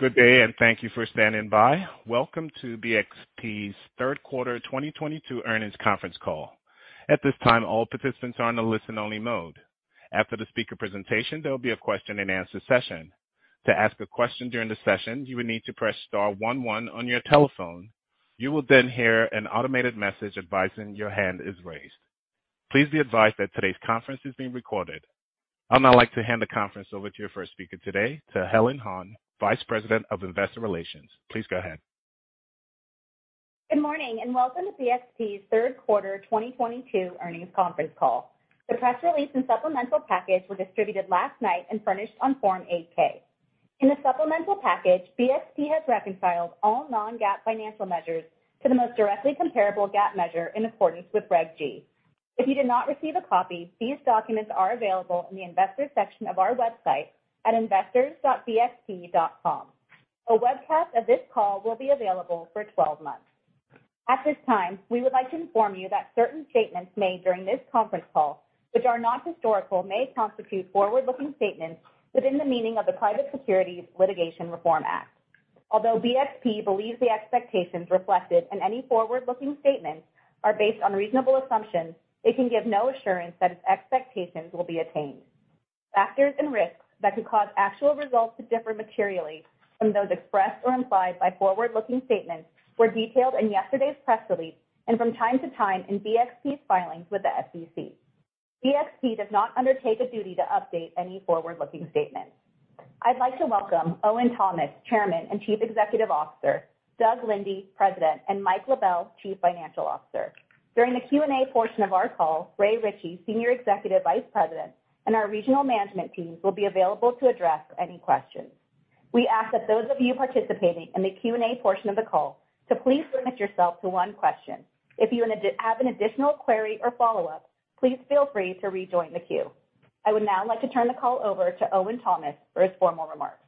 Good day, and thank you for standing by. Welcome to BXP's Third Quarter 2022 Earnings Conference Call. At this time, all participants are in a listen only mode. After the speaker presentation, there will be a question-and-answer session. To ask a question during the session, you will need to press star one one on your telephone. You will then hear an automated message advising your hand is raised. Please be advised that today's conference is being recorded. I'd now like to hand the conference over to your first speaker today, to Helen Han, Vice President of Investor Relations. Please go ahead. Good morning, and welcome to BXP's Third Quarter 2022 Earnings Conference Call. The press release and supplemental package were distributed last night and furnished on Form 8-K. In the supplemental package, BXP has reconciled all non-GAAP financial measures to the most directly comparable GAAP measure in accordance with Reg G. If you did not receive a copy, these documents are available in the Investors section of our website at investors.bxp.com. A webcast of this call will be available for 12 months. At this time, we would like to inform you that certain statements made during this conference call which are not historical may constitute forward-looking statements within the meaning of the Private Securities Litigation Reform Act. Although BXP believes the expectations reflected in any forward-looking statements are based on reasonable assumptions, it can give no assurance that its expectations will be attained. Factors and risks that could cause actual results to differ materially from those expressed or implied by forward-looking statements were detailed in yesterday's press release, and from time to time in BXP's filings with the SEC. BXP does not undertake a duty to update any forward-looking statement. I'd like to welcome Owen Thomas, Chairman and Chief Executive Officer, Doug Linde, President, and Mike LaBelle, Chief Financial Officer. During the Q&A portion of our call, Ray Ritchey, Senior Executive Vice President, and our regional management team will be available to address any questions. We ask that those of you participating in the Q&A portion of the call to please limit yourself to one question. If you have an additional query or follow-up, please feel free to rejoin the queue. I would now like to turn the call over to Owen Thomas for his formal remarks.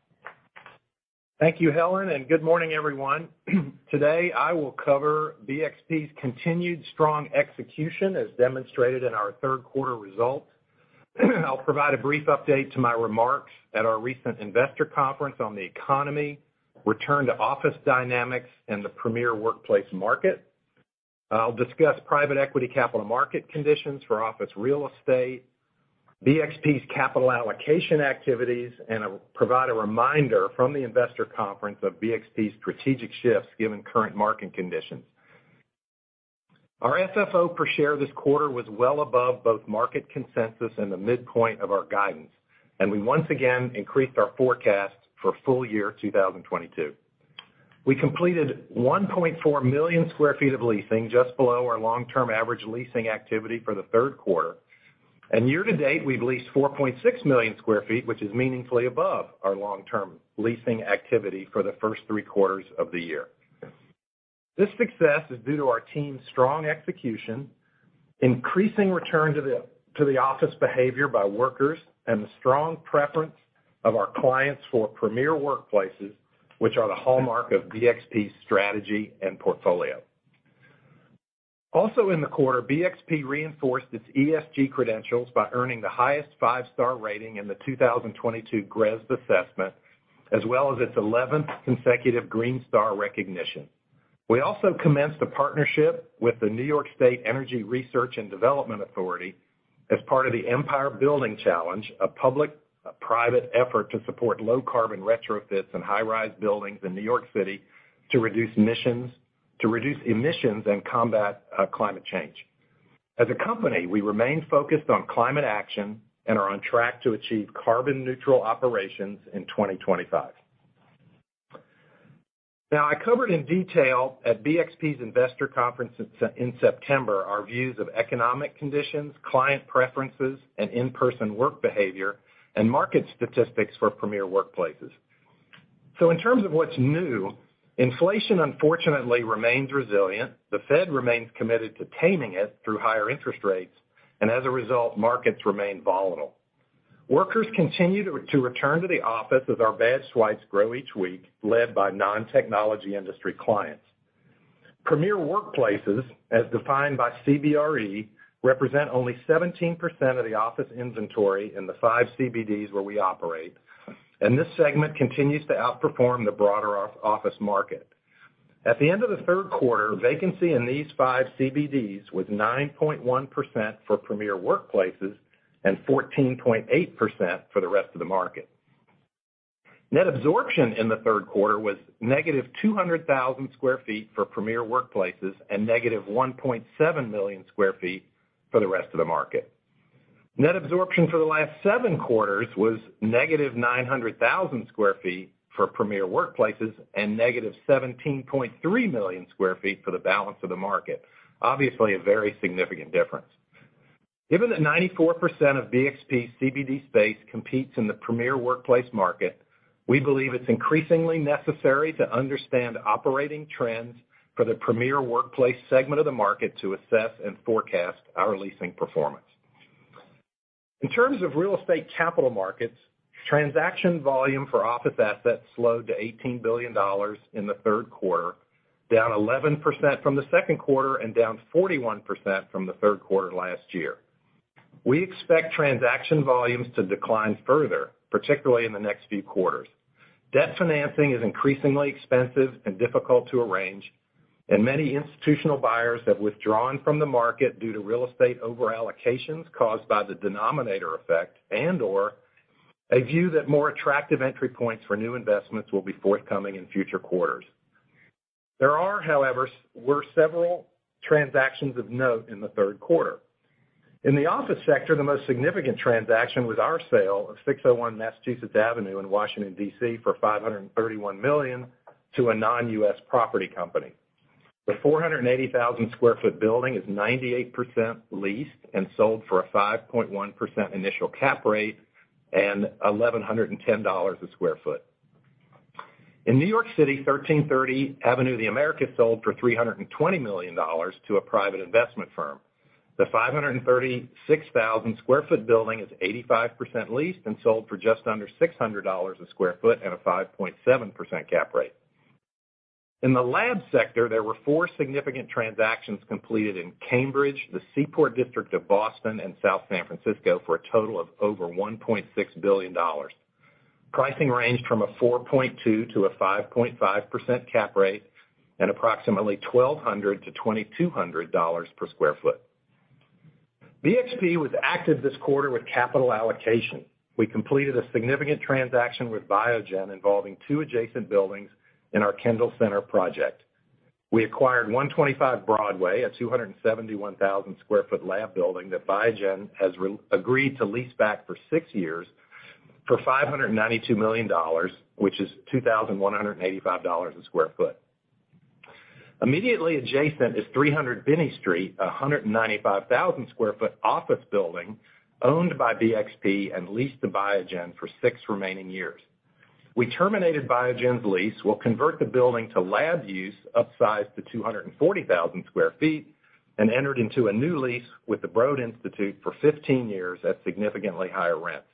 Thank you, Helen, and good morning, everyone. Today, I will cover BXP's continued strong execution as demonstrated in our third quarter results. I'll provide a brief update to my remarks at our recent investor conference on the economy, return to office dynamics and the premier workplace market. I'll discuss private equity capital market conditions for office real estate, BXP's capital allocation activities, and I'll provide a reminder from the investor conference of BXP's strategic shifts given current market conditions. Our FFO per share this quarter was well above both market consensus and the midpoint of our guidance, and we once again increased our forecast for full-year 2022. We completed 1.4 million sq ft of leasing just below our long-term average leasing activity for the third quarter. Year to date, we've leased 4.6 million sq ft, which is meaningfully above our long-term leasing activity for the first three quarters of the year. This success is due to our team's strong execution, increasing return to the office behavior by workers, and the strong preference of our clients for premier workplaces, which are the hallmark of BXP's strategy and portfolio. Also in the quarter, BXP reinforced its ESG credentials by earning the highest five-star rating in the 2022 GRESB assessment, as well as its eleventh consecutive Green Star recognition. We also commenced a partnership with the New York State Energy Research and Development Authority as part of the Empire Building Challenge, a public-private effort to support low carbon retrofits in high-rise buildings in New York City to reduce emissions and combat climate change. As a company, we remain focused on climate action and are on track to achieve carbon neutral operations in 2025. Now, I covered in detail at BXP's investor conference in September our views of economic conditions, client preferences, and in-person work behavior, and market statistics for premier workplaces. In terms of what's new, inflation unfortunately remains resilient. The Fed remains committed to taming it through higher interest rates, and as a result, markets remain volatile. Workers continue to return to the office as our badge swipes grow each week, led by non-technology industry clients. Premier workplaces, as defined by CBRE, represent only 17% of the office inventory in the five CBDs where we operate, and this segment continues to outperform the broader office market. At the end of the third quarter, vacancy in these five CBDs was 9.1% for premier workplaces and 14.8% for the rest of the market. Net absorption in the third quarter was -200,000 sq ft for premier workplaces and -1.7 million sq ft, for the rest of the market. Net absorption for the last seven quarters was -900,000 sq ft, for premier workplaces and -17.3 million sq ft, for the balance of the market. Obviously, a very significant difference. Given that 94% of BXP's CBD space competes in the premier workplace market, we believe it's increasingly necessary to understand operating trends for the premier workplace segment of the market to assess and forecast our leasing performance. In terms of real estate capital markets, transaction volume for office assets slowed to $18 billion in the third quarter. Down 11% from the second quarter and down 41% from the third quarter last year. We expect transaction volumes to decline further, particularly in the next few quarters. Debt financing is increasingly expensive and difficult to arrange, and many institutional buyers have withdrawn from the market due to real estate over allocations caused by the denominator effect and/or a view that more attractive entry points for new investments will be forthcoming in future quarters. There are, however, several transactions of note in the third quarter. In the office sector, the most significant transaction was our sale of 601 Massachusetts Avenue in Washington, D.C. for $531 million to a non-US property company. The 480,000 sq ft building is 98% leased and sold for a 5.1% initial cap rate and $1,110/sq ft. In New York City, 1330 Avenue of the Americas sold for $320 million to a private investment firm. The 536,000 sq ft building is 85% leased and sold for just under $600/sq ft at a 5.7% cap rate. In the lab sector, there were four significant transactions completed in Cambridge, the Seaport District of Boston, and South San Francisco for a total of over $1.6 billion. Pricing ranged from a 4.2%-5.5% cap rate and approximately $1,200-$2,200/sq ft. BXP was active this quarter with capital allocation. We completed a significant transaction with Biogen involving two adjacent buildings in our Kendall Center project. We acquired 125 Broadway, a 271,000 sq ft lab building that Biogen has agreed to lease back for six years for $592 million, which is $2,185 a sq ft. Immediately adjacent is 300 Binney Street, a 195,000 sq ft office building owned by BXP and leased to Biogen for six remaining years. We terminated Biogen's lease. We'll convert the building to lab use, upsize to 240,000 sq ft, and entered into a new lease with the Broad Institute for 15 years at significantly higher rent.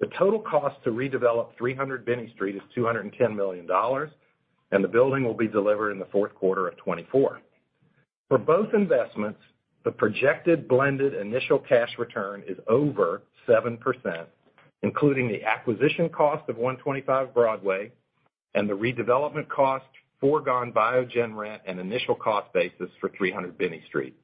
The total cost to redevelop 300 Binney Street is $210 million, and the building will be delivered in the fourth quarter of 2024. For both investments, the projected blended initial cash return is over 7%, including the acquisition cost of 125 Broadway and the redevelopment cost, foregone Biogen rent, and initial cost basis for 300 Binney Street.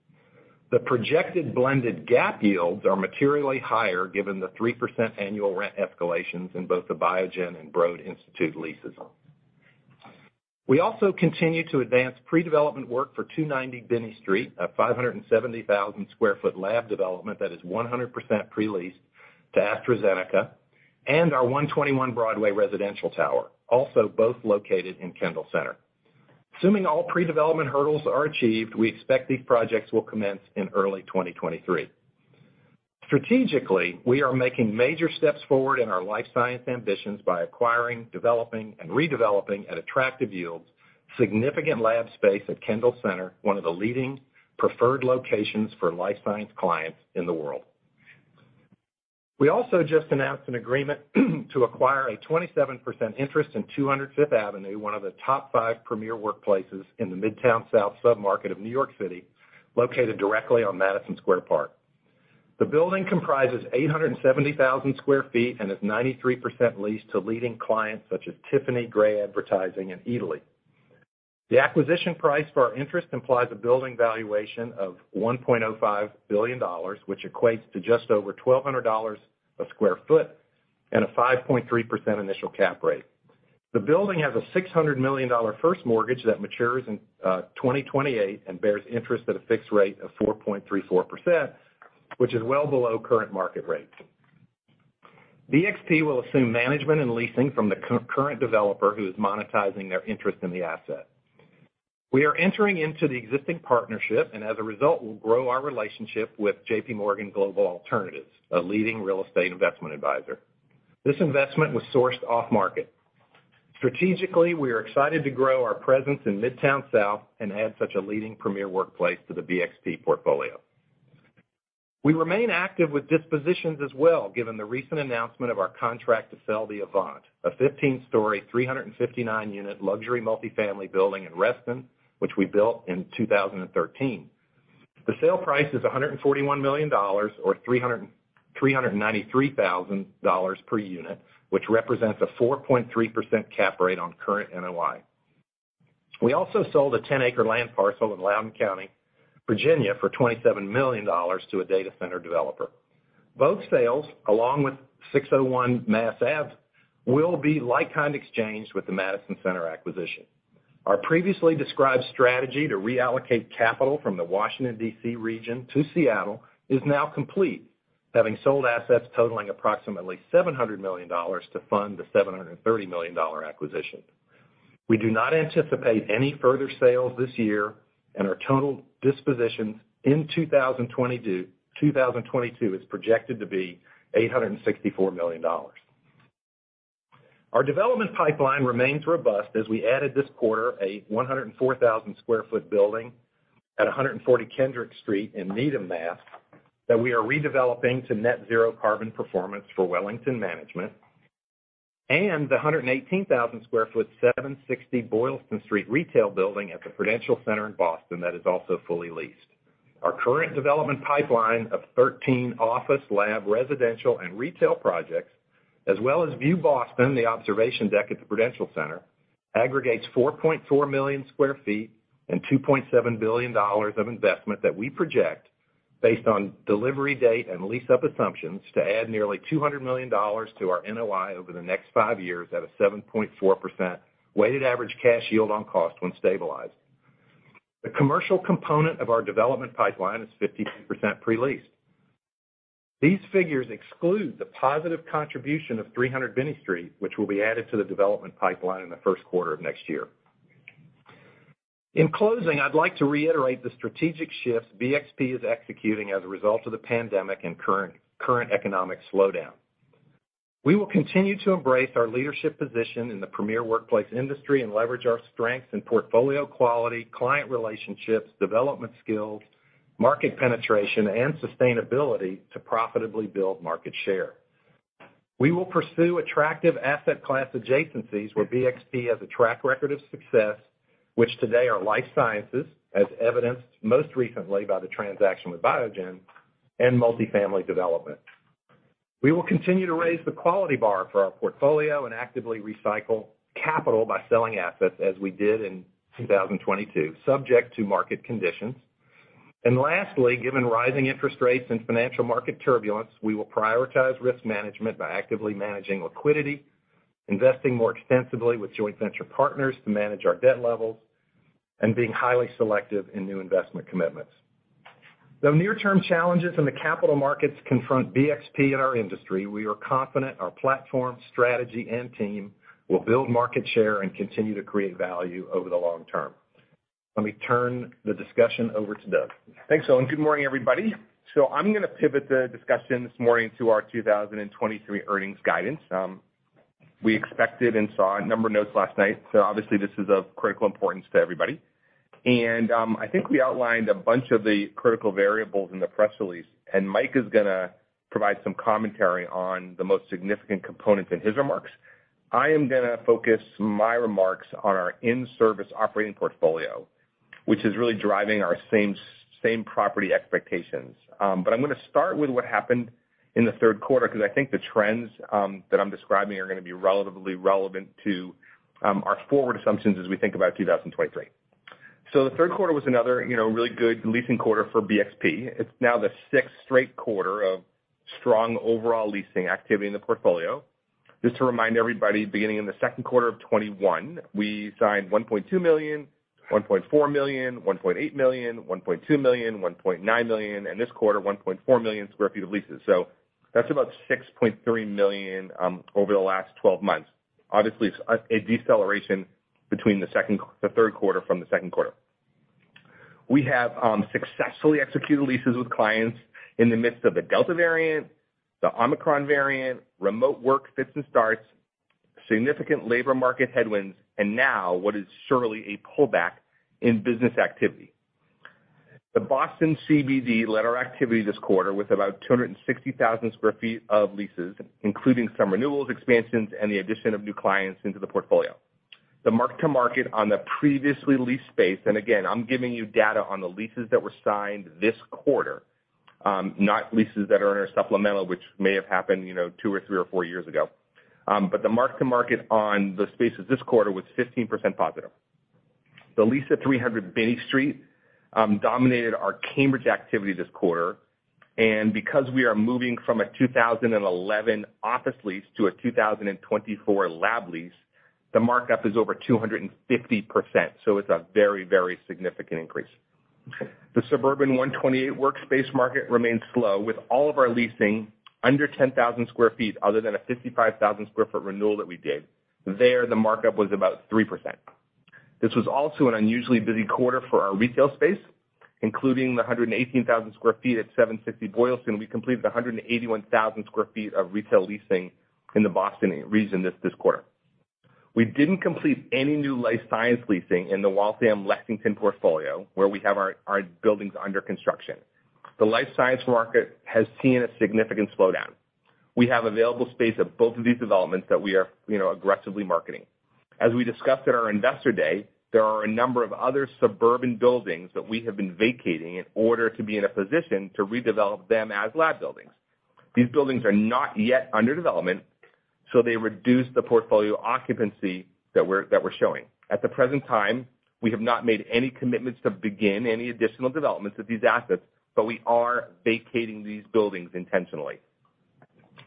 The projected blended GAAP yields are materially higher given the 3% annual rent escalations in both the Biogen and Broad Institute leases. We also continue to advance pre-development work for 290 Binney Street, a 570,000 sq ft lab development that is 100% pre-leased to AstraZeneca, and our 121 Broadway residential tower, also both located in Kendall Square. Assuming all pre-development hurdles are achieved, we expect these projects will commence in early 2023. Strategically, we are making major steps forward in our life science ambitions by acquiring, developing, and redeveloping at attractive yields, significant lab space at Kendall Center, one of the leading preferred locations for life science clients in the world. We also just announced an agreement to acquire a 27% interest in 200 Fifth Avenue, one of the top 5 premier workplaces in the Midtown South submarket of New York City, located directly on Madison Square Park. The building comprises 870,000 sq ft and is 93% leased to leading clients such as Tiffany & Co., Grey Advertising, and Eataly. The acquisition price for our interest implies a building valuation of $1.05 billion, which equates to just over $1,200 a sq ft and a 5.3% initial cap rate. The building has a $600 million first mortgage that matures in 2028 and bears interest at a fixed rate of 4.34%, which is well below current market rates. BXP will assume management and leasing from the current developer who is monetizing their interest in the asset. We are entering into the existing partnership and as a result will grow our relationship with J.P. Morgan Global Alternatives, a leading real estate investment advisor. This investment was sourced off-market. Strategically, we are excited to grow our presence in Midtown South and add such a leading premier workplace to the BXP portfolio. We remain active with dispositions as well, given the recent announcement of our contract to sell the Avant, a 15-story, 359-unit luxury multifamily building in Reston, which we built in 2013. The sale price is $141 million or $393 thousand per unit, which represents a 4.3% cap rate on current NOI. We also sold a 10-acre land parcel in Loudoun County, Virginia for $27 million to a data center developer. Both sales, along with 601 Massachusetts Avenue, will be like-kind exchanged with the Madison Centre acquisition. Our previously described strategy to reallocate capital from the Washington, D.C. region to Seattle is now complete, having sold assets totaling approximately $700 million to fund the $730 million acquisition. We do not anticipate any further sales this year, and our total dispositions in 2022 is projected to be $864 million. Our development pipeline remains robust as we added this quarter a 104,000 sq ft building at 140 Kendrick Street in Needham, Mass. that we are redeveloping to net zero carbon performance for Wellington Management. The 118,000 sq ft 760 Boylston Street retail building at the Prudential Center in Boston that is also fully leased. Our current development pipeline of 13 office, lab, residential and retail projects, as well as View Boston, the observation deck at the Prudential Center, aggregates 4.4 million sq ft and $2.7 billion of investment that we project based on delivery date and lease-up assumptions to add nearly $200 million to our NOI over the next five years at a 7.4% weighted average cash yield on cost when stabilized. The commercial component of our development pipeline is 52% pre-leased. These figures exclude the positive contribution of 300 Binney Street, which will be added to the development pipeline in the first quarter of next year. In closing, I'd like to reiterate the strategic shifts BXP is executing as a result of the pandemic and current economic slowdown. We will continue to embrace our leadership position in the premier workplace industry and leverage our strengths in portfolio quality, client relationships, development skills, market penetration, and sustainability to profitably build market share. We will pursue attractive asset class adjacencies where BXP has a track record of success, which today are life sciences, as evidenced most recently by the transaction with Biogen and multifamily development. We will continue to raise the quality bar for our portfolio and actively recycle capital by selling assets as we did in 2022, subject to market conditions. Lastly, given rising interest rates and financial market turbulence, we will prioritize risk management by actively managing liquidity, investing more extensively with joint venture partners to manage our debt levels, and being highly selective in new investment commitments. Though near-term challenges in the capital markets confront BXP in our industry, we are confident our platform, strategy, and team will build market share and continue to create value over the long term. Let me turn the discussion over to Doug. Thanks, Owen. Good morning, everybody. I'm gonna pivot the discussion this morning to our 2023 earnings guidance. We expected and saw a number of notes last night, so obviously this is of critical importance to everybody. I think we outlined a bunch of the critical variables in the press release, and Mike is gonna provide some commentary on the most significant components in his remarks. I am gonna focus my remarks on our in-service operating portfolio, which is really driving our same property expectations. I'm gonna start with what happened in the third quarter because I think the trends that I'm describing are gonna be relatively relevant to our forward assumptions as we think about 2023. The third quarter was another, you know, really good leasing quarter for BXP. It's now the sixth straight quarter of strong overall leasing activity in the portfolio. Just to remind everybody, beginning in the second quarter of 2021, we signed 1.2 million, 1.4 million, 1.8 million, 1.2 million, 1.9 million, and this quarter, 1.4 million sq ft of leases. That's about 6.3 million over the last 12 months. Obviously, it's a deceleration between the third quarter from the second quarter. We have successfully executed leases with clients in the midst of the Delta variant, the Omicron variant, remote work fits and starts, significant labor market headwinds, and now what is surely a pullback in business activity. The Boston CBD led our activity this quarter with about 260,000 sq ft of leases, including some renewals, expansions, and the addition of new clients into the portfolio. The mark-to-market on the previously leased space, and again, I'm giving you data on the leases that were signed this quarter, not leases that are in our supplemental, which may have happened, you know, two or three or four years ago. The mark-to-market on the spaces this quarter was 15% positive. The lease at 300 Binney Street dominated our Cambridge activity this quarter, and because we are moving from a 2011 office lease to a 2024 lab lease, the markup is over 250%, so it's a very, very significant increase. The Suburban 128 workspace market remains slow, with all of our leasing under 10,000 sq ft, other than a 55,000 sq ft renewal that we did. There, the markup was about 3%. This was also an unusually busy quarter for our retail space, including the 118,000 sq ft at 760 Boylston. We completed the 181,000 sq ft of retail leasing in the Boston region this quarter. We didn't complete any new life science leasing in the Waltham Lexington portfolio, where we have our buildings under construction. The life science market has seen a significant slowdown. We have available space at both of these developments that we are, you know, aggressively marketing. As we discussed at our Investor Day, there are a number of other suburban buildings that we have been vacating in order to be in a position to redevelop them as lab buildings. These buildings are not yet under development, so they reduce the portfolio occupancy that we're showing. At the present time, we have not made any commitments to begin any additional developments of these assets, but we are vacating these buildings intentionally.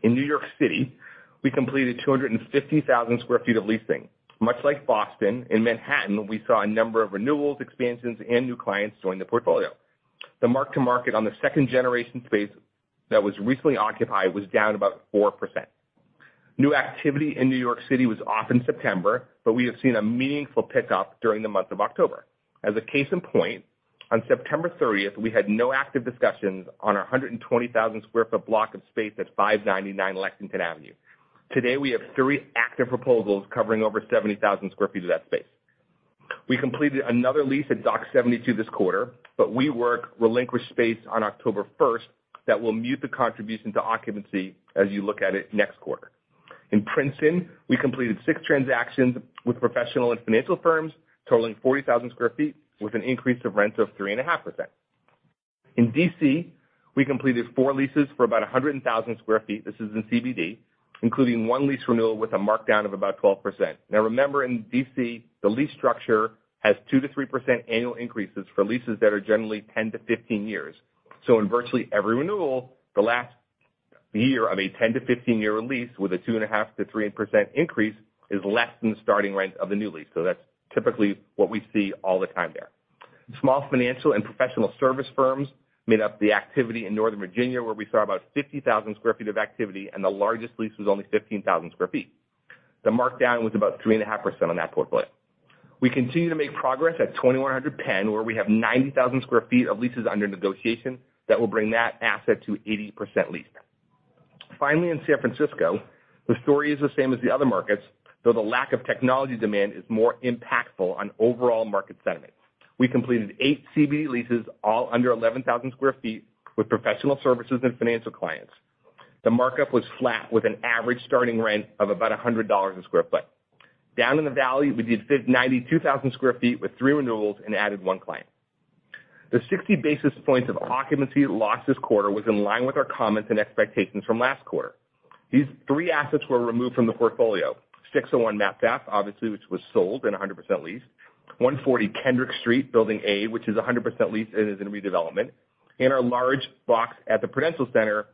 In New York City, we completed 250,000 sq ft of leasing. Much like Boston, in Manhattan we saw a number of renewals, expansions, and new clients join the portfolio. The mark-to-market on the second generation space that was recently occupied was down about 4%. New activity in New York City was off in September, but we have seen a meaningful pickup during the month of October. As a case in point, on September 30, we had no active discussions on our 120,000 sq ft block of space at 599 Lexington Avenue. Today, we have three active proposals covering over 70,000 sq ft of that space. We completed another lease at Dock 72 this quarter, but WeWork relinquished space on October 1 that will mute the contribution to occupancy as you look at it next quarter. In Princeton, we completed six transactions with professional and financial firms totaling 40,000 sq ft, with an increase of rent of 3.5%. In D.C., we completed four leases for about 100,000 sq ft, this is in CBD, including one lease renewal with a markdown of about 12%. Now remember, in D.C., the lease structure has 2%-3% annual increases for leases that are generally 10-15 years. In virtually every renewal, the last year of a 10-15 year lease with a 2.5%-3% increase is less than the starting rent of the new lease. That's typically what we see all the time there. Small financial and professional service firms made up the activity in Northern Virginia, where we saw about 50,000 sq ft of activity, and the largest lease was only 15,000 sq ft. The markdown was about 3.5% on that portfolio. We continue to make progress at 2100 Penn, where we have 90,000 sq ft of leases under negotiation that will bring that asset to 80% leased. Finally, in San Francisco, the story is the same as the other markets, though the lack of technology demand is more impactful on overall market sentiment. We completed 8 CBD leases, all under 11,000 sq ft, with professional services and financial clients. The markup was flat, with an average starting rent of about $100 a sq ft. Down in the valley, we did 92,000 sq ft with three renewals and added one client. The 60 basis points of occupancy lost this quarter was in line with our comments and expectations from last quarter. These three assets were removed from the portfolio. 601 Massachusetts Avenue, obviously, which was sold 100% leased. 140 Kendrick Street, Building A, which is 100% leased and is in redevelopment. Our large box at the Prudential Center,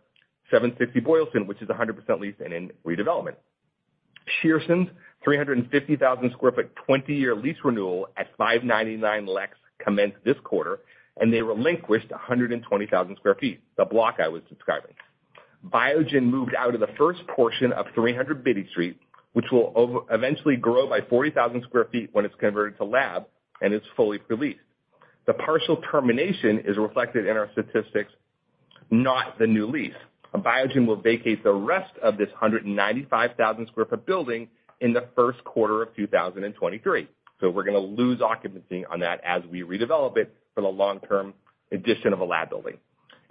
760 Boylston, which is 100% leased and in redevelopment. Shearman & Sterling's 350,000 sq ft twenty-year lease renewal at 599 Lex commenced this quarter, and they relinquished 120,000 square feet, the block I was describing. Biogen moved out of the first portion of 300 Binney Street, which will eventually grow by 40,000 square feet when it's converted to lab and is fully re-leased. The partial termination is reflected in our statistics, not the new lease. Biogen will vacate the rest of this 195,000 square foot building in the first quarter of 2023. We're gonna lose occupancy on that as we redevelop it for the long term addition of a lab building.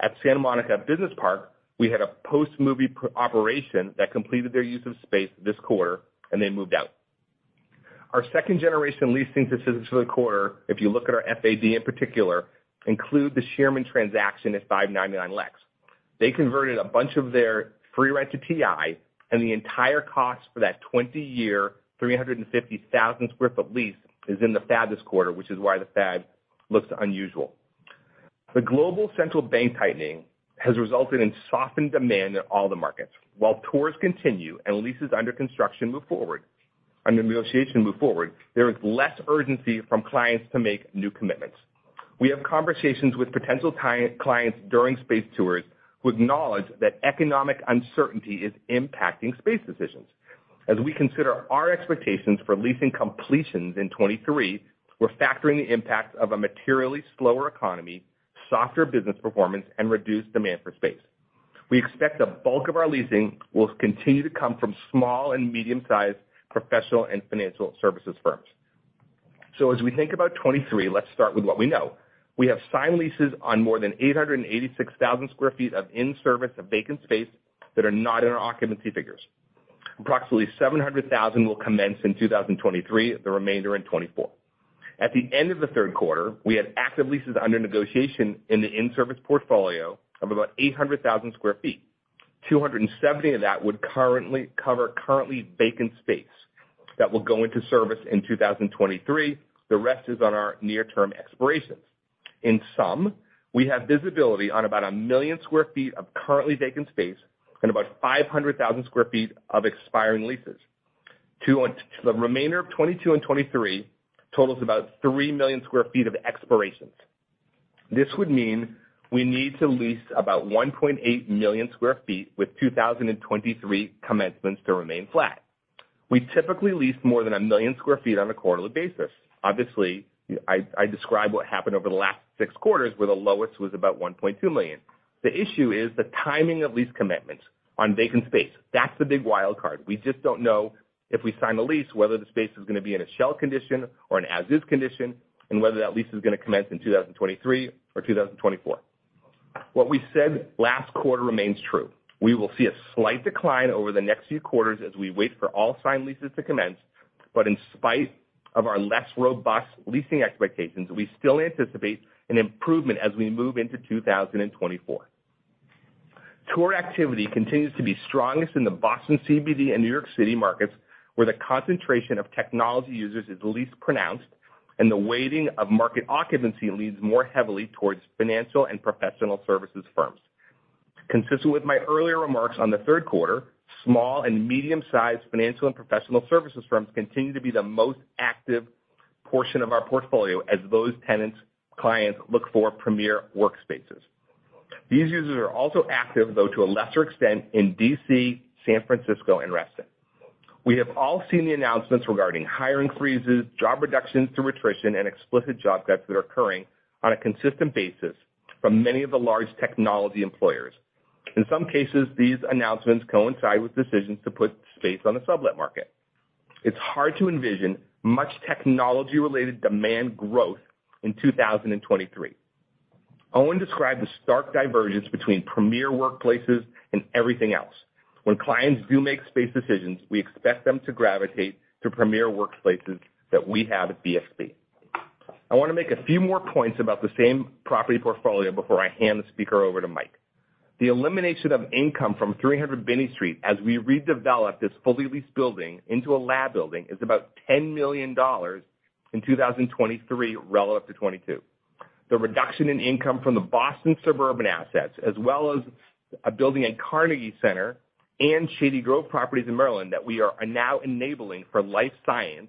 At Santa Monica Business Park, we had a post-movie production operation that completed their use of space this quarter and then moved out. Our second generation leasing decisions for the quarter, if you look at our FAB in particular, include the Shearman & Sterling transaction at 599 Lex. They converted a bunch of their free rent to TI, and the entire cost for that 20-year, 350,000 sq ft lease is in the FAB this quarter, which is why the FAB looks unusual. The global central bank tightening has resulted in softened demand in all the markets. While tours continue and leases under construction move forward and the negotiations move forward, there is less urgency from clients to make new commitments. We have conversations with potential clients during space tours who acknowledge that economic uncertainty is impacting space decisions. As we consider our expectations for leasing completions in 2023, we're factoring the impacts of a materially slower economy, softer business performance, and reduced demand for space. We expect the bulk of our leasing will continue to come from small and medium sized professional and financial services firms. As we think about 2023, let's start with what we know. We have signed leases on more than 886,000 sq ft of in-service and vacant space that are not in our occupancy figures. Approximately 700,000 will commence in 2023, the remainder in 2024. At the end of the third quarter, we had active leases under negotiation in the in-service portfolio of about 800,000 sq ft. 270 of that would currently cover vacant space that will go into service in 2023. The rest is on our near term expirations. In sum, we have visibility on about 1 million sq ft of currently vacant space and about 500,000 sq ft of expiring leases. The remainder of 2022 and 2023 totals about 3 million sq ft of expirations. This would mean we need to lease about 1.8 million sq ft with 2023 commencements to remain flat. We typically lease more than 1 million sq ft on a quarterly basis. Obviously, I describe what happened over the last 6 quarters, where the lowest was about 1.2 million. The issue is the timing of lease commitments on vacant space. That's the big wild card. We just don't know if we sign the lease, whether the space is gonna be in a shell condition or an as-is condition, and whether that lease is gonna commence in 2023 or 2024. What we said last quarter remains true. We will see a slight decline over the next few quarters as we wait for all signed leases to commence, but in spite of our less robust leasing expectations, we still anticipate an improvement as we move into 2024. Tour activity continues to be strongest in the Boston CBD and New York City markets, where the concentration of technology users is least pronounced and the weighting of market occupancy leans more heavily towards financial and professional services firms. Consistent with my earlier remarks on the third quarter, small and medium sized financial and professional services firms continue to be the most active portion of our portfolio as those tenants' clients look for premier workspaces. These users are also active, though to a lesser extent, in D.C., San Francisco, and Reston. We have all seen the announcements regarding hiring freezes, job reductions through attrition, and explicit job cuts that are occurring on a consistent basis from many of the large technology employers. In some cases, these announcements coincide with decisions to put space on the sublet market. It's hard to envision much technology related demand growth in 2023. Owen described the stark divergence between premier workplaces and everything else. When clients do make space decisions, we expect them to gravitate to premier workplaces that we have at BXP. I wanna make a few more points about the same property portfolio before I hand the speaker over to Mike. The elimination of income from 300 Binney Street as we redevelop this fully leased building into a lab building is about $10 million in 2023 relative to 2022. The reduction in income from the Boston suburban assets as well as a building at Carnegie Center and Shady Grove Properties in Maryland that we are now enabling for life science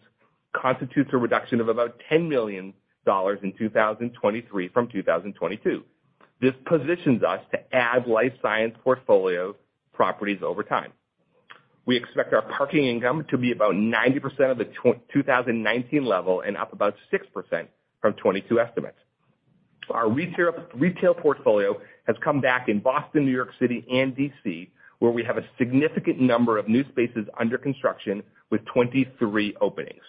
constitutes a reduction of about $10 million in 2023 from 2022. This positions us to add life science portfolio properties over time. We expect our parking income to be about 90% of the 2019 level and up about 6% from 2022 estimates. Our retail portfolio has come back in Boston, New York City and D.C., where we have a significant number of new spaces under construction with 23 openings.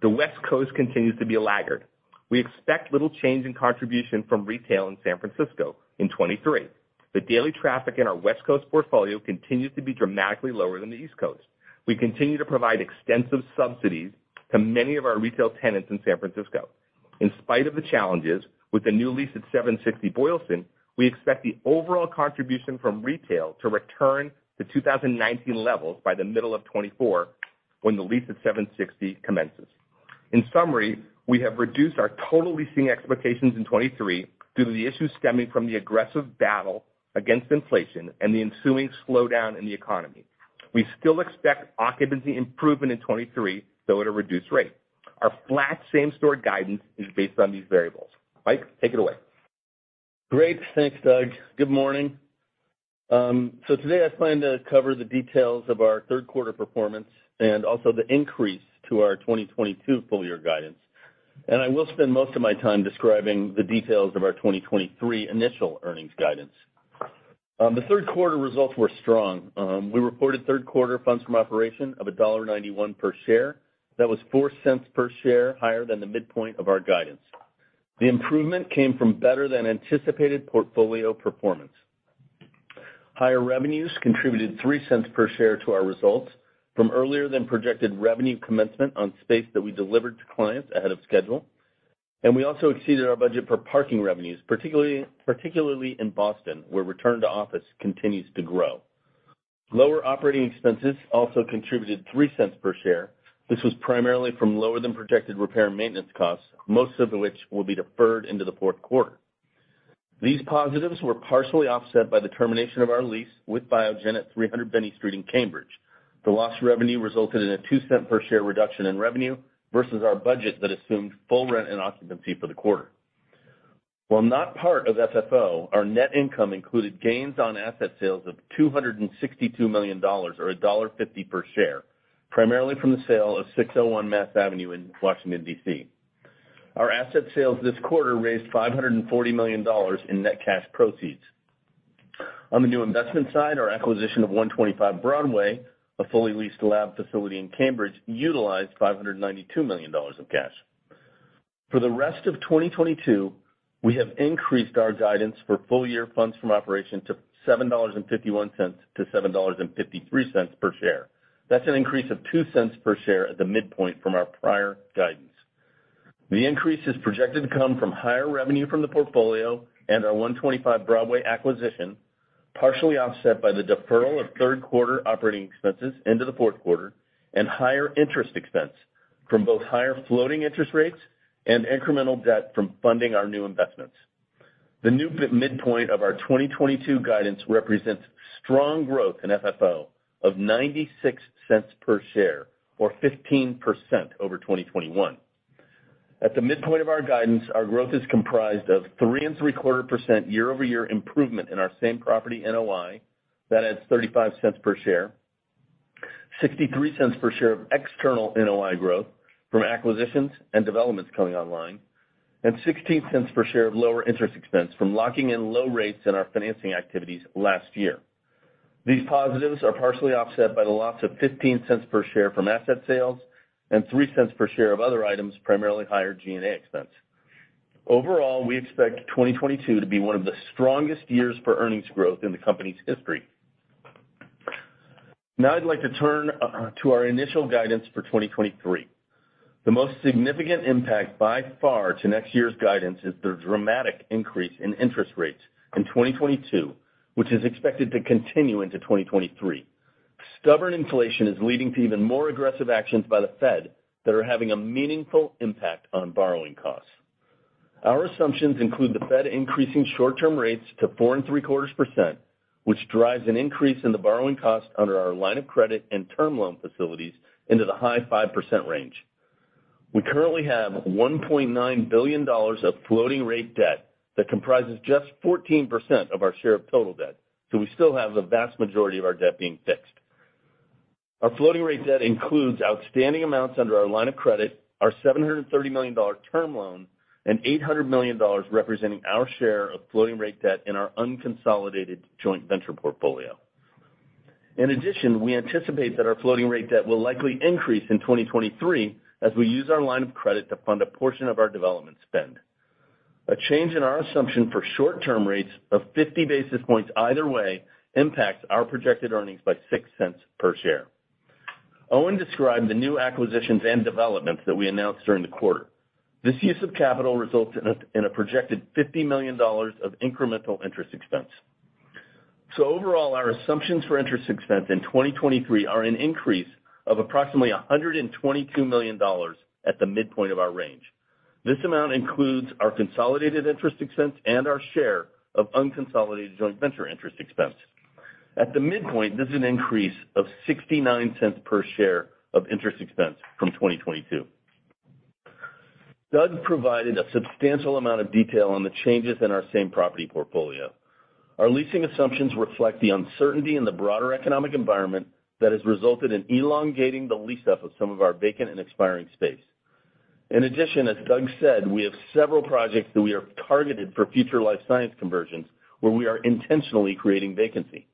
The West Coast continues to be a laggard. We expect little change in contribution from retail in San Francisco in 2023. The daily traffic in our West Coast portfolio continues to be dramatically lower than the East Coast. We continue to provide extensive subsidies to many of our retail tenants in San Francisco. In spite of the challenges with the new lease at 760 Boylston, we expect the overall contribution from retail to return to 2019 levels by the middle of 2024 when the lease at 760 commences. In summary, we have reduced our total leasing expectations in 2023 due to the issues stemming from the aggressive battle against inflation and the ensuing slowdown in the economy. We still expect occupancy improvement in 2023, though at a reduced rate. Our flat same store guidance is based on these variables. Mike, take it away. Great. Thanks, Doug. Good morning. Today I plan to cover the details of our third quarter performance and also the increase to our 2022 full- year guidance. I will spend most of my time describing the details of our 2023 initial earnings guidance. The third quarter results were strong. We reported third quarter funds from operations of $1.91 per share. That was $0.04 per share higher than the midpoint of our guidance. The improvement came from better than anticipated portfolio performance. Higher revenues contributed $0.03 per share to our results from earlier than projected revenue commencement on space that we delivered to clients ahead of schedule. We also exceeded our budget for parking revenues, particularly in Boston, where return to office continues to grow. Lower operating expenses also contributed $0.03 per share. This was primarily from lower than projected repair and maintenance costs, most of which will be deferred into the fourth quarter. These positives were partially offset by the termination of our lease with Biogen at 300 Binney Street in Cambridge. The lost revenue resulted in a $0.2 per share reduction in revenue versus our budget that assumed full rent and occupancy for the quarter. While not part of FFO, our net income included gains on asset sales of $262 million or $1.50 per share, primarily from the sale of 601 Massachusetts Avenue in Washington, D.C. Our asset sales this quarter raised $540 million in net cash proceeds. On the new investment side, our acquisition of 125 Broadway, a fully leased lab facility in Cambridge, utilized $592 million of cash. For the rest of 2022, we have increased our guidance for full-year FFO to $7.51-$7.53 per share. That's an increase of $0.02 per share at the midpoint from our prior guidance. The increase is projected to come from higher revenue from the portfolio and our 125 Broadway acquisition, partially offset by the deferral of third quarter operating expenses into the fourth quarter and higher interest expense from both higher floating interest rates and incremental debt from funding our new investments. The new midpoint of our 2022 guidance represents strong growth in FFO of $0.96 per share or 15% over 2021. At the midpoint of our guidance, our growth is comprised of 3.75% year-over-year improvement in our same-property NOI. That adds $0.35 per share, $0.63 per share of external NOI growth from acquisitions and developments coming online, and $0.16 per share of lower interest expense from locking in low rates in our financing activities last year. These positives are partially offset by the loss of $0.15 per share from asset sales and $0.03 per share of other items, primarily higher G&A expense. Overall, we expect 2022 to be one of the strongest years for earnings growth in the company's history. Now I'd like to turn to our initial guidance for 2023. The most significant impact by far to next year's guidance is the dramatic increase in interest rates in 2022, which is expected to continue into 2023. Stubborn inflation is leading to even more aggressive actions by the Fed that are having a meaningful impact on borrowing costs. Our assumptions include the Fed increasing short-term rates to 4.75%, which drives an increase in the borrowing cost under our line of credit and term loan facilities into the high 5% range. We currently have $1.9 billion of floating rate debt that comprises just 14% of our share of total debt, so we still have the vast majority of our debt being fixed. Our floating rate debt includes outstanding amounts under our line of credit, our $730 million term loan, and $800 million representing our share of floating rate debt in our unconsolidated joint venture portfolio. In addition, we anticipate that our floating rate debt will likely increase in 2023 as we use our line of credit to fund a portion of our development spend. A change in our assumption for short term rates of 50 basis points either way impacts our projected earnings by $0.06 per share. Owen described the new acquisitions and developments that we announced during the quarter. This use of capital results in a projected $50 million of incremental interest expense. Overall, our assumptions for interest expense in 2023 are an increase of approximately $122 million at the midpoint of our range. This amount includes our consolidated interest expense and our share of unconsolidated joint venture interest expense. At the midpoint, this is an increase of $0.69 per share of interest expense from 2022. Doug provided a substantial amount of detail on the changes in our same property portfolio. Our leasing assumptions reflect the uncertainty in the broader economic environment that has resulted in elongating the lease up of some of our vacant and expiring space. In addition, as Doug said, we have several projects that we have targeted for future life science conversions where we are intentionally creating vacancy.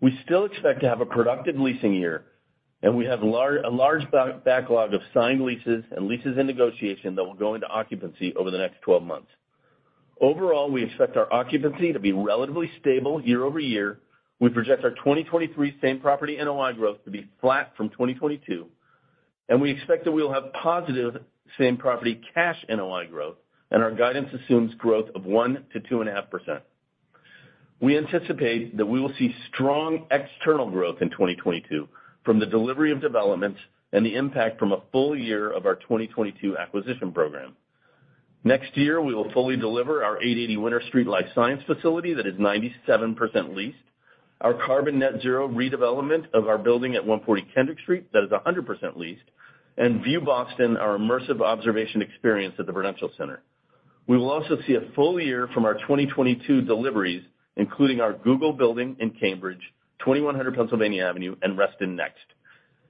We still expect to have a productive leasing year, and we have a large backlog of signed leases and leases in negotiation that will go into occupancy over the next 12 months. Overall, we expect our occupancy to be relatively stable year-over-year. We project our 2023 same property NOI growth to be flat from 2022, and we expect that we will have positive same property cash NOI growth, and our guidance assumes growth of 1%-2.5%. We anticipate that we will see strong external growth in 2022 from the delivery of developments and the impact from a full-year of our 2022 acquisition program. Next year, we will fully deliver our 880 Winter Street life science facility that is 97% leased. Our carbon net zero redevelopment of our building at 140 Kendrick Street, that is 100% leased. View Boston, our immersive observation experience at the Prudential Center. We will also see a full-year from our 2022 deliveries, including our Google building in Cambridge, 2100 Pennsylvania Avenue, and Reston Next.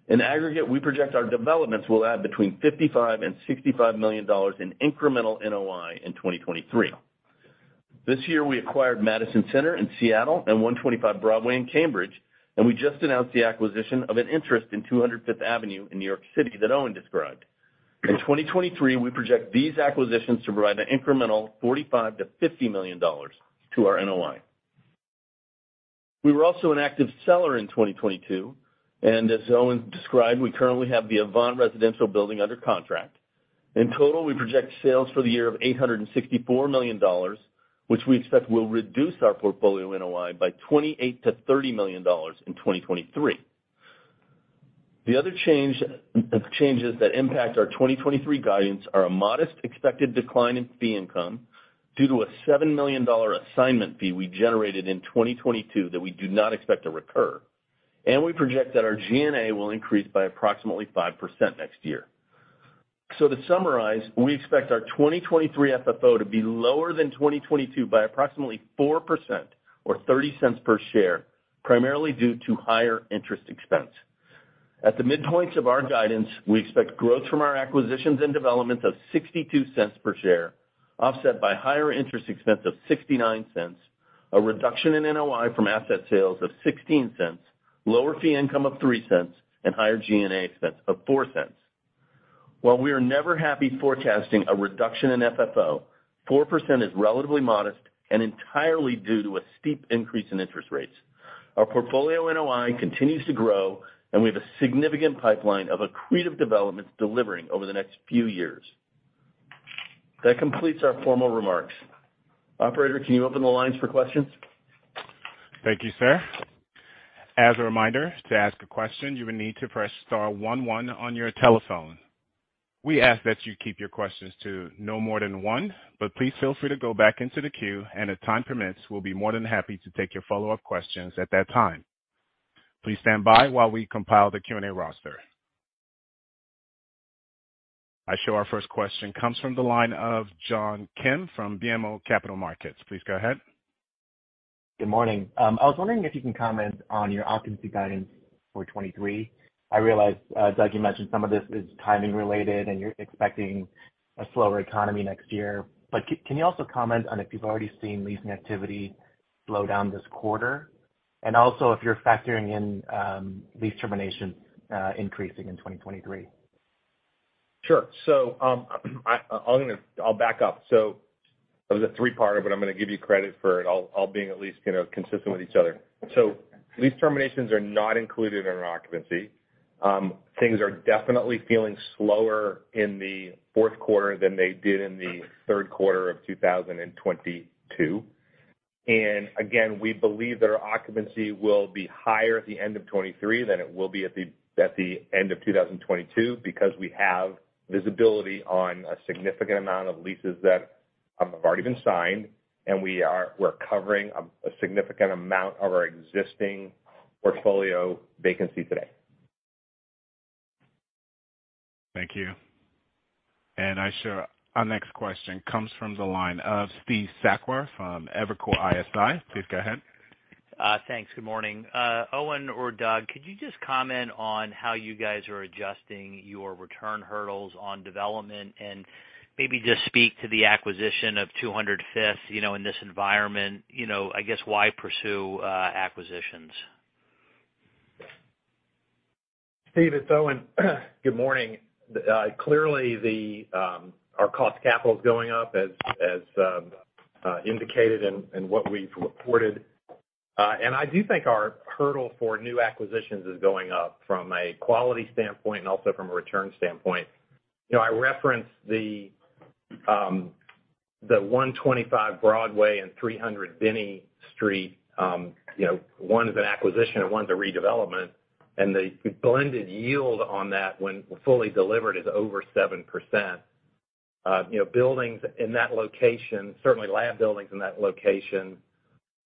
In aggregate, we project our developments will add between $55 million and $65 million in incremental NOI in 2023. This year we acquired Madison Centre in Seattle and 125 Broadway in Cambridge, and we just announced the acquisition of an interest in 205 Avenue in New York City that Owen described. In 2023, we project these acquisitions to provide an incremental $45 million-$50 million to our NOI. We were also an active seller in 2022, and as Owen described, we currently have The Avant residential building under contract. In total, we project sales for the year of $864 million, which we expect will reduce our portfolio NOI by $28 million-$30 million in 2023. The other changes that impact our 2023 guidance are a modest expected decline in fee income due to a $7 million assignment fee we generated in 2022 that we do not expect to recur, and we project that our G&A will increase by approximately 5% next year. To summarize, we expect our 2023 FFO to be lower than 2022 by approximately 4% or $0.30 per share, primarily due to higher interest expense. At the midpoints of our guidance, we expect growth from our acquisitions and developments of $0.62 per share, offset by higher interest expense of $0.69, a reduction in NOI from asset sales of $0.16, lower fee income of $0.03, and higher G&A expense of $0.04. While we are never happy forecasting a reduction in FFO, 4% is relatively modest and entirely due to a steep increase in interest rates. Our portfolio NOI continues to grow and we have a significant pipeline of accretive developments delivering over the next few years. That completes our formal remarks. Operator, can you open the lines for questions? Thank you, sir. As a reminder, to ask a question, you will need to press star one one on your telephone. We ask that you keep your questions to no more than one, but please feel free to go back into the queue, and if time permits, we'll be more than happy to take your follow-up questions at that time. Please stand by while we compile the Q&A roster. I show our first question comes from the line of John P. Kim from BMO Capital Markets. Please go ahead. Good morning. I was wondering if you can comment on your occupancy guidance for 2023. I realize, Doug, you mentioned some of this is timing related and you're expecting a slower economy next year, but can you also comment on if you've already seen leasing activity slow down this quarter? Also if you're factoring in, lease termination increasing in 2023. Sure. I'll back up. There's a three part of it. I'm gonna give you credit for it all being at least, you know, consistent with each other. Lease terminations are not included in our occupancy. Things are definitely feeling slower in the fourth quarter than they did in the third quarter of 2022. Again, we believe that our occupancy will be higher at the end of 2023 than it will be at the end of 2022 because we have visibility on a significant amount of leases that have already been signed and we're covering a significant amount of our existing portfolio vacancy today. Thank you. Aisha, our next question comes from the line of Steve Sakwa from Evercore ISI. Please go ahead. Thanks. Good morning. Owen or Doug, could you just comment on how you guys are adjusting your return hurdles on development, and maybe just speak to the acquisition of 200 Fifth, you know, in this environment, you know, I guess why pursue acquisitions? Steve, it's Owen. Good morning. Clearly, our cost of capital is going up as indicated in what we've reported. I do think our hurdle for new acquisitions is going up from a quality standpoint and also from a return standpoint. You know, I referenced the 125 Broadway and 300 Binney Street, you know, one is an acquisition and one's a redevelopment, and the blended yield on that when fully delivered is over 7%. You know, buildings in that location, certainly lab buildings in that location,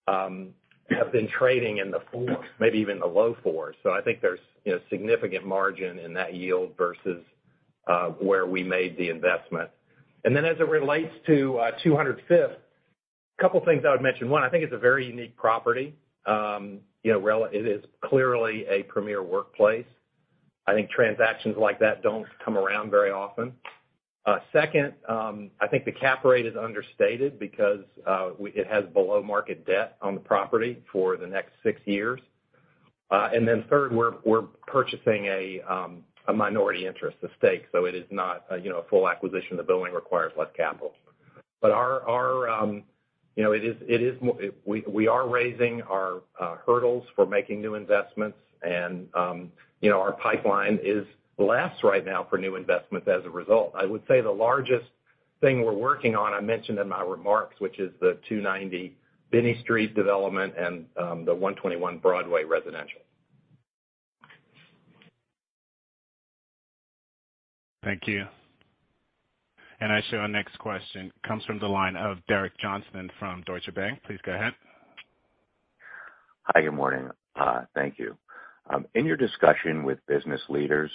have been trading in the 4s, maybe even the low 4s. I think there's, you know, significant margin in that yield versus where we made the investment. Then as it relates to 200 Fifth, a couple things I would mention. One, I think it's a very unique property. You know, it is clearly a premier workplace. I think transactions like that don't come around very often. Second, I think the cap rate is understated because it has below market debt on the property for the next 6 years. Third, we're purchasing a minority interest, a stake, so it is not a, you know, a full acquisition. The building requires less capital. We are raising our hurdles for making new investments and, you know, our pipeline is less right now for new investments as a result. I would say the largest thing we're working on, I mentioned in my remarks, which is the 290 Binney Street development and the 121 Broadway residential. Thank you. Aisha, our next question comes from the line of Derek Johnston from Deutsche Bank. Please go ahead. Hi, good morning. Thank you. In your discussion with business leaders,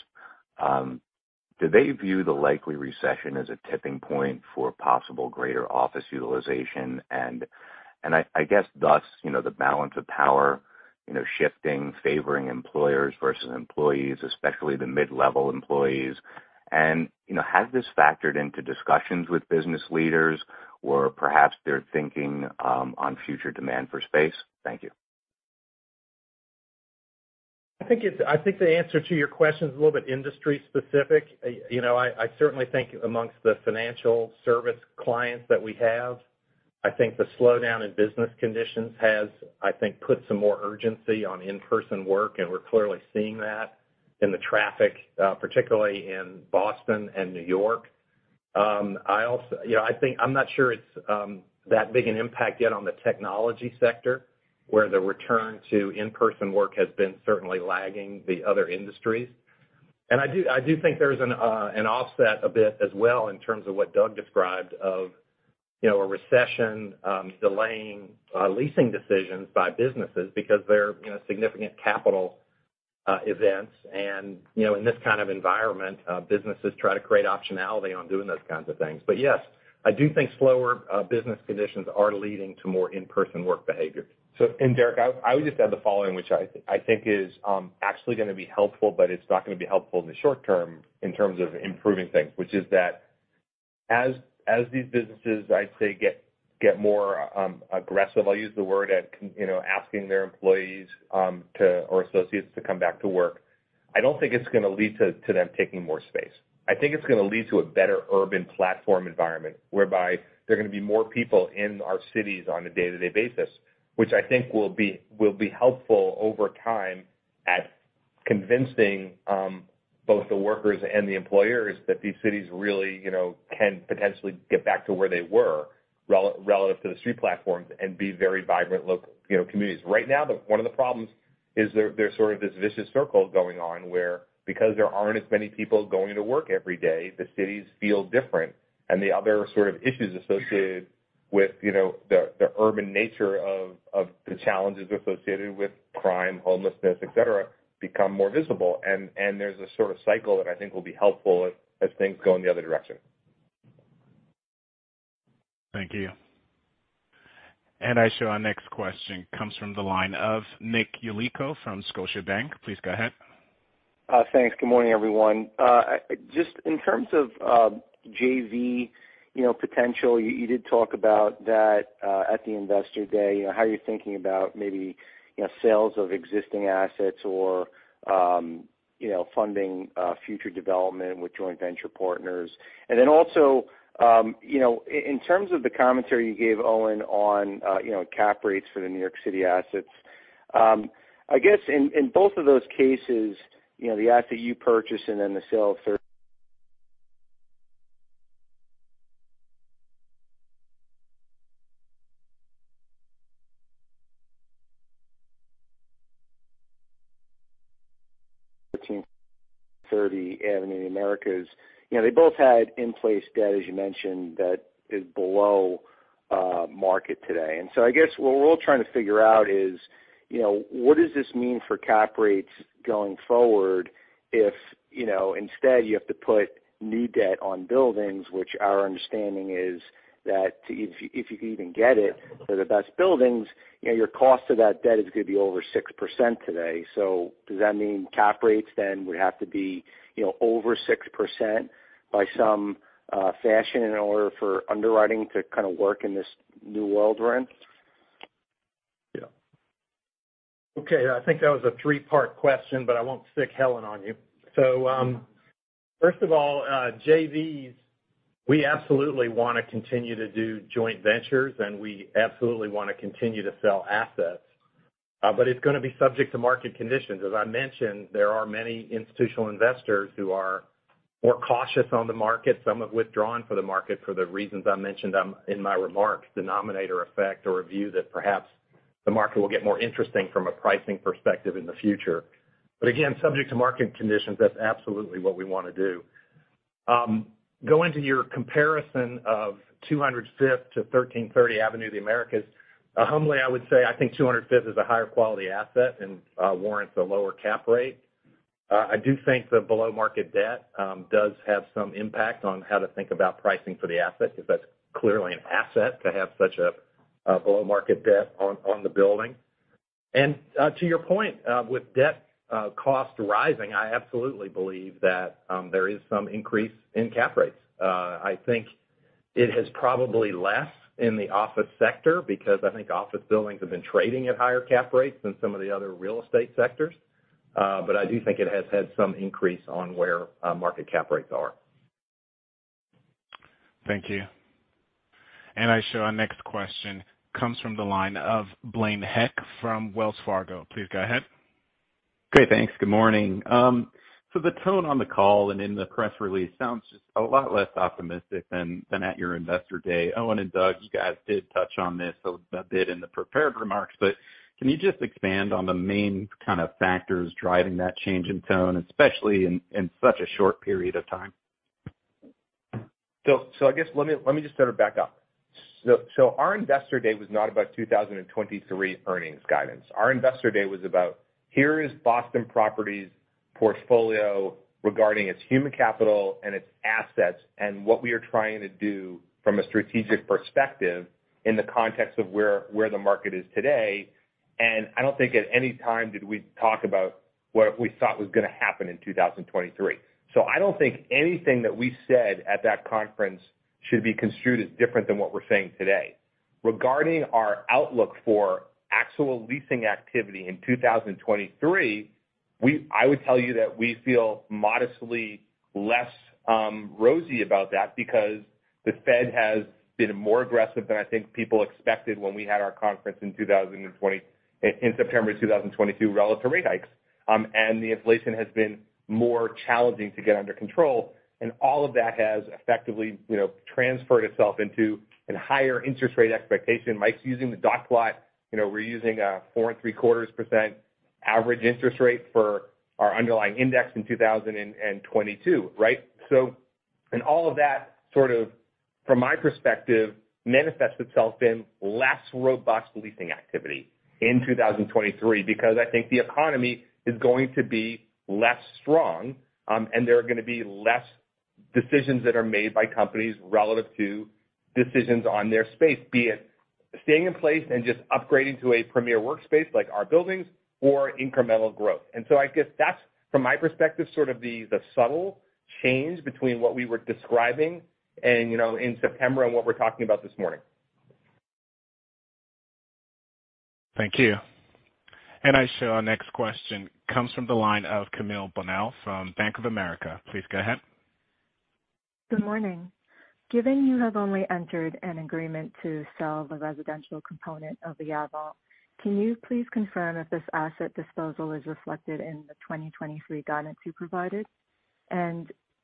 do they view the likely recession as a tipping point for possible greater office utilization? I guess thus, you know, the balance of power, you know, shifting, favoring employers versus employees, especially the mid-level employees. You know, has this factored into discussions with business leaders or perhaps their thinking on future demand for space? Thank you. I think the answer to your question is a little bit industry specific. You know, I certainly think amongst the financial service clients that we have, I think the slowdown in business conditions has, I think, put some more urgency on in-person work, and we're clearly seeing that in the traffic, particularly in Boston and New York. I also, you know, I think, I'm not sure it's that big an impact yet on the technology sector, where the return to in-person work has been certainly lagging the other industries. I do think there's an offset a bit as well in terms of what Doug described of, you know, a recession, delaying leasing decisions by businesses because they're, you know, significant capital events. You know, in this kind of environment, businesses try to create optionality on doing those kinds of things. Yes, I do think slower business conditions are leading to more in-person work behavior. Derek, I would just add the following, which I think is actually gonna be helpful, but it's not gonna be helpful in the short term in terms of improving things, which is that as these businesses, I'd say get more aggressive, I'll use the word, you know, asking their employees or associates to come back to work, I don't think it's gonna lead to them taking more space. I think it's gonna lead to a better urban platform environment, whereby there are gonna be more people in our cities on a day-to-day basis, which I think will be helpful over time at convincing both the workers and the employers that these cities really, you know, can potentially get back to where they were relative to the street platforms and be very vibrant local, you know, communities. Right now, one of the problems is there's sort of this vicious circle going on where because there aren't as many people going to work every day, the cities feel different. The other sort of issues associated with, you know, the urban nature of the challenges associated with crime, homelessness, et cetera, become more visible. There's a sort of cycle that I think will be helpful as things go in the other direction. Thank you. Aisha, our next question comes from the line of Nicholas Yulico from Scotiabank. Please go ahead. Thanks. Good morning, everyone. Just in terms of JV, you know, potential, you did talk about that at the Investor Day. You know, how are you thinking about maybe, you know, sales of existing assets or, you know, funding future development with joint venture partners? You know, in terms of the commentary you gave Owen on, you know, cap rates for the New York City assets, I guess in both of those cases, you know, the asset you purchase and then the sale of 1330 Avenue of the Americas. You know, they both had in-place debt, as you mentioned, that is below market today. I guess what we're all trying to figure out is, you know, what does this mean for cap rates going forward if, you know, instead you have to put new debt on buildings, which our understanding is that if you can even get it for the best buildings, you know, your cost of that debt is gonna be over 6% today. Does that mean cap rates then would have to be, you know, over 6% by some fashion in order for underwriting to kind of work in this new world rent? Yeah. Okay, I think that was a three-part question, but I won't stick Helen on you. First of all, JVs, we absolutely wanna continue to do joint ventures, and we absolutely wanna continue to sell assets. It's gonna be subject to market conditions. As I mentioned, there are many institutional investors who are more cautious on the market. Some have withdrawn for the market for the reasons I mentioned in my remarks, denominator effect or a view that perhaps the market will get more interesting from a pricing perspective in the future. Again, subject to market conditions, that's absolutely what we wanna do. Going to your comparison of 200 Fifth to 1330 Avenue of the Americas, humbly, I would say I think 200 Fifth is a higher quality asset and warrants a lower cap rate. I do think the below market debt does have some impact on how to think about pricing for the asset, because that's clearly an asset to have such a below market debt on the building. To your point, with debt cost rising, I absolutely believe that there is some increase in cap rates. I think it is probably less in the office sector because I think office buildings have been trading at higher cap rates than some of the other real estate sectors. I do think it has had some increase on where market cap rates are. Thank you. Our next question comes from the line of Blaine Heck from Wells Fargo. Please go ahead. Great. Thanks. Good morning. The tone on the call and in the press release sounds just a lot less optimistic than at your investor day. Owen and Doug, you guys did touch on this a bit in the prepared remarks, but can you just expand on the main kind of factors driving that change in tone, especially in such a short period of time? I guess let me just start it back up. Our investor day was not about 2023 earnings guidance. Our investor day was about, here is Boston Properties' portfolio regarding its human capital and its assets and what we are trying to do from a strategic perspective in the context of where the market is today. I don't think at any time did we talk about what we thought was gonna happen in 2023. I don't think anything that we said at that conference should be construed as different than what we're saying today. Regarding our outlook for actual leasing activity in 2023, I would tell you that we feel modestly less rosy about that because the Fed has been more aggressive than I think people expected when we had our conference in September of 2022, relative to rate hikes. The inflation has been more challenging to get under control, and all of that has effectively, you know, transferred itself into a higher interest rate expectation. Mike's using the dot plot. You know, we're using 4.75% average interest rate for our underlying index in 2022, right? All of that sort of, from my perspective, manifests itself in less robust leasing activity in 2023 because I think the economy is going to be less strong, and there are gonna be less decisions that are made by companies relative to decisions on their space, be it staying in place and just upgrading to a premier workspace like our buildings or incremental growth. I guess that's, from my perspective, sort of the subtle change between what we were describing and, you know, in September and what we're talking about this morning. Thank you. I show our next question comes from the line of Camille Bonnel from Bank of America. Please go ahead. Good morning. Given you have only entered an agreement to sell the residential component of The Avant, can you please confirm if this asset disposal is reflected in the 2023 guidance you provided?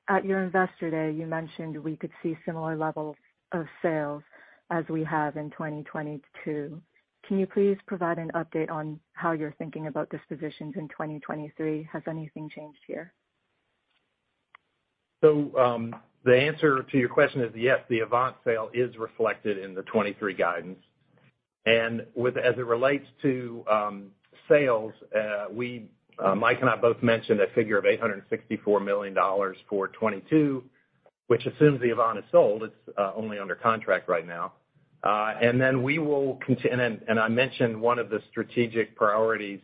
At your investor day, you mentioned we could see similar levels of sales as we have in 2022. Can you please provide an update on how you're thinking about dispositions in 2023? Has anything changed here? The answer to your question is yes, the Avant sale is reflected in the 2023 guidance. With, as it relates to, sales, we, Mike and I both mentioned a figure of $864 million for 2022, which assumes the Avant is sold. It's only under contract right now. I mentioned one of the strategic priorities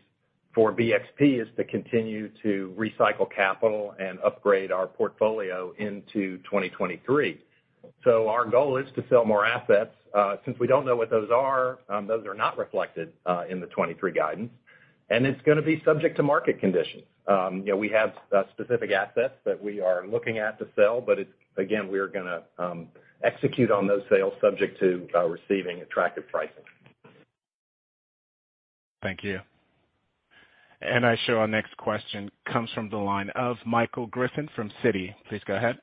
for BXP is to continue to recycle capital and upgrade our portfolio into 2023. Our goal is to sell more assets. Since we don't know what those are, those are not reflected in the 2023 guidance, and it's gonna be subject to market conditions. You know, we have specific assets that we are looking at to sell, but it's, again, we're gonna execute on those sales subject to receiving attractive pricing. Thank you. I show our next question comes from the line of Michael Griffin from Citi. Please go ahead.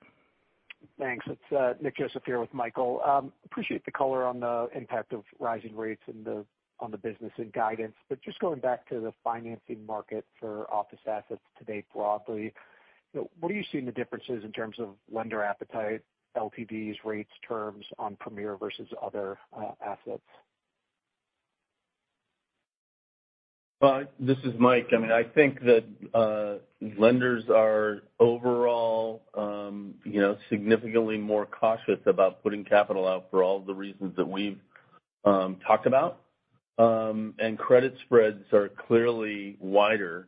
Thanks. It's Nick Joseph here with Michael. Appreciate the color on the impact of rising rates on the business and guidance. Just going back to the financing market for office assets today broadly, you know, what are you seeing the differences in terms of lender appetite, LTVs, rates, terms on premier versus other assets? Well, this is Mike. I mean, I think that lenders are overall, you know, significantly more cautious about putting capital out for all the reasons that we've talked about. Credit spreads are clearly wider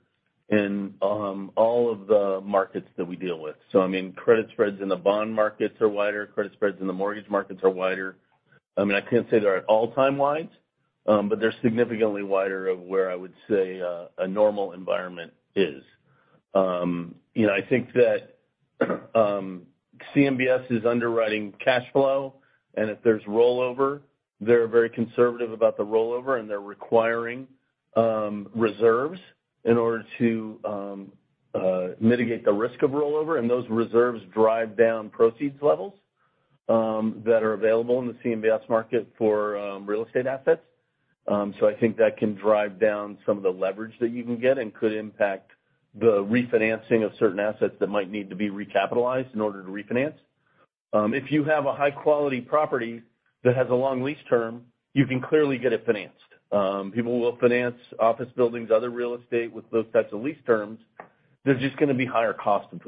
in all of the markets that we deal with. I mean, credit spreads in the bond markets are wider, credit spreads in the mortgage markets are wider. I can't say they're at all-time wides, but they're significantly wider than where I would say a normal environment is. You know, I think that CMBS is underwriting cash flow, and if there's rollover, they're very conservative about the rollover, and they're requiring reserves in order to mitigate the risk of rollover. Those reserves drive down proceeds levels that are available in the CMBS market for real estate assets. I think that can drive down some of the leverage that you can get and could impact the refinancing of certain assets that might need to be recapitalized in order to refinance. If you have a high quality property that has a long lease term, you can clearly get it financed. People will finance office buildings, other real estate with those types of lease terms. They're just gonna be higher cost of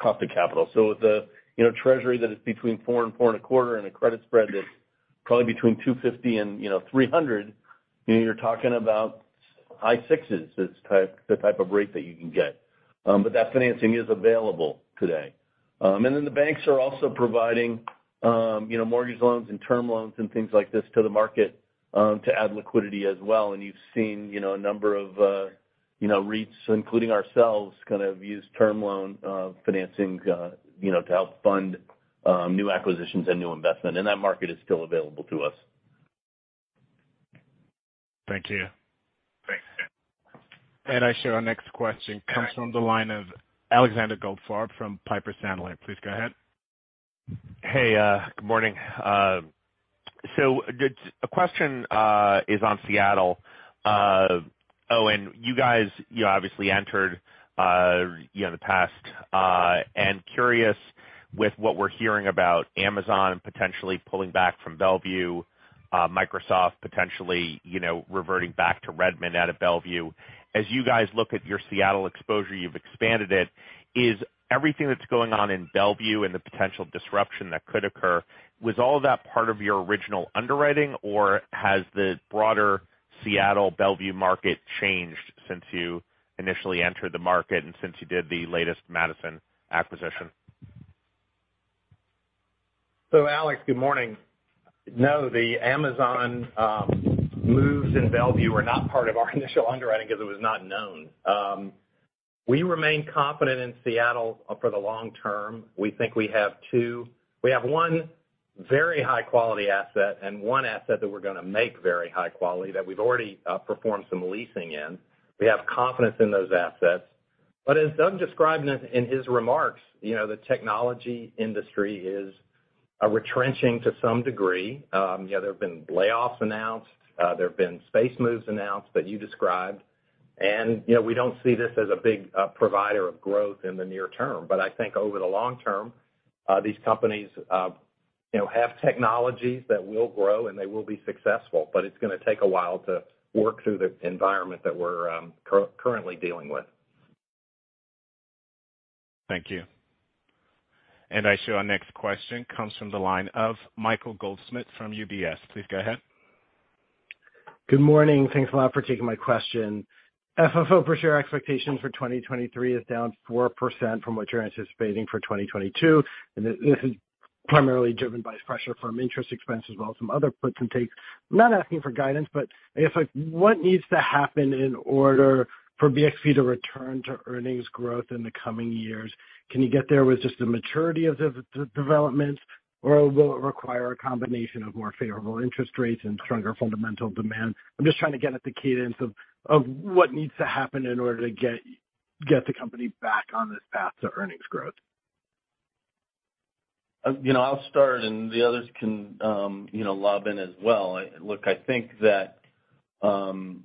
capital. You know, the treasury that is between 4% and 4.25% and a credit spread that's probably between 250 and, you know, 300, you know, you're talking about high 6%s as the type of rate that you can get. That financing is available today. The banks are also providing, you know, mortgage loans and term loans and things like this to the market, to add liquidity as well. You've seen, you know, a number of, you know, REITs, including ourselves, kind of use term loan financing, you know, to help fund new acquisitions and new investment. That market is still available to us. Thank you. Thanks. Our next question comes from the line of Alexander Goldfarb from Piper Sandler. Please go ahead. Hey, good morning. A question is on Seattle. You guys, you obviously entered, you know, in the past, and curious with what we're hearing about Amazon potentially pulling back from Bellevue, Microsoft potentially, you know, reverting back to Redmond out of Bellevue. As you guys look at your Seattle exposure, you've expanded it, is everything that's going on in Bellevue and the potential disruption that could occur, was all that part of your original underwriting, or has the broader Seattle Bellevue market changed since you initially entered the market and since you did the latest Madison acquisition? Alex, good morning. No, the Amazon moves in Bellevue are not part of our initial underwriting because it was not known. We remain confident in Seattle for the long term. We have one very high quality asset and one asset that we're gonna make very high quality that we've already performed some leasing in. We have confidence in those assets. As Doug Linde described in his remarks, you know, the technology industry is a retrenching to some degree. You know, there have been layoffs announced, there have been space moves announced that you described. You know, we don't see this as a big provider of growth in the near term. I think over the long term, these companies, you know, have technologies that will grow, and they will be successful, but it's gonna take a while to work through the environment that we're currently dealing with. Thank you. Our next question comes from the line of Michael Goldsmith from UBS. Please go ahead. Good morning. Thanks a lot for taking my question. FFO per share expectations for 2023 is down 4% from what you're anticipating for 2022. This is primarily driven by pressure from interest expense as well as some other puts and takes. I'm not asking for guidance, but I guess, like what needs to happen in order for BXP to return to earnings growth in the coming years? Can you get there with just the maturity of the developments, or will it require a combination of more favorable interest rates and stronger fundamental demand? I'm just trying to get at the cadence of what needs to happen in order to get the company back on this path to earnings growth. You know, I'll start and the others can, you know, lob in as well. Look, I think that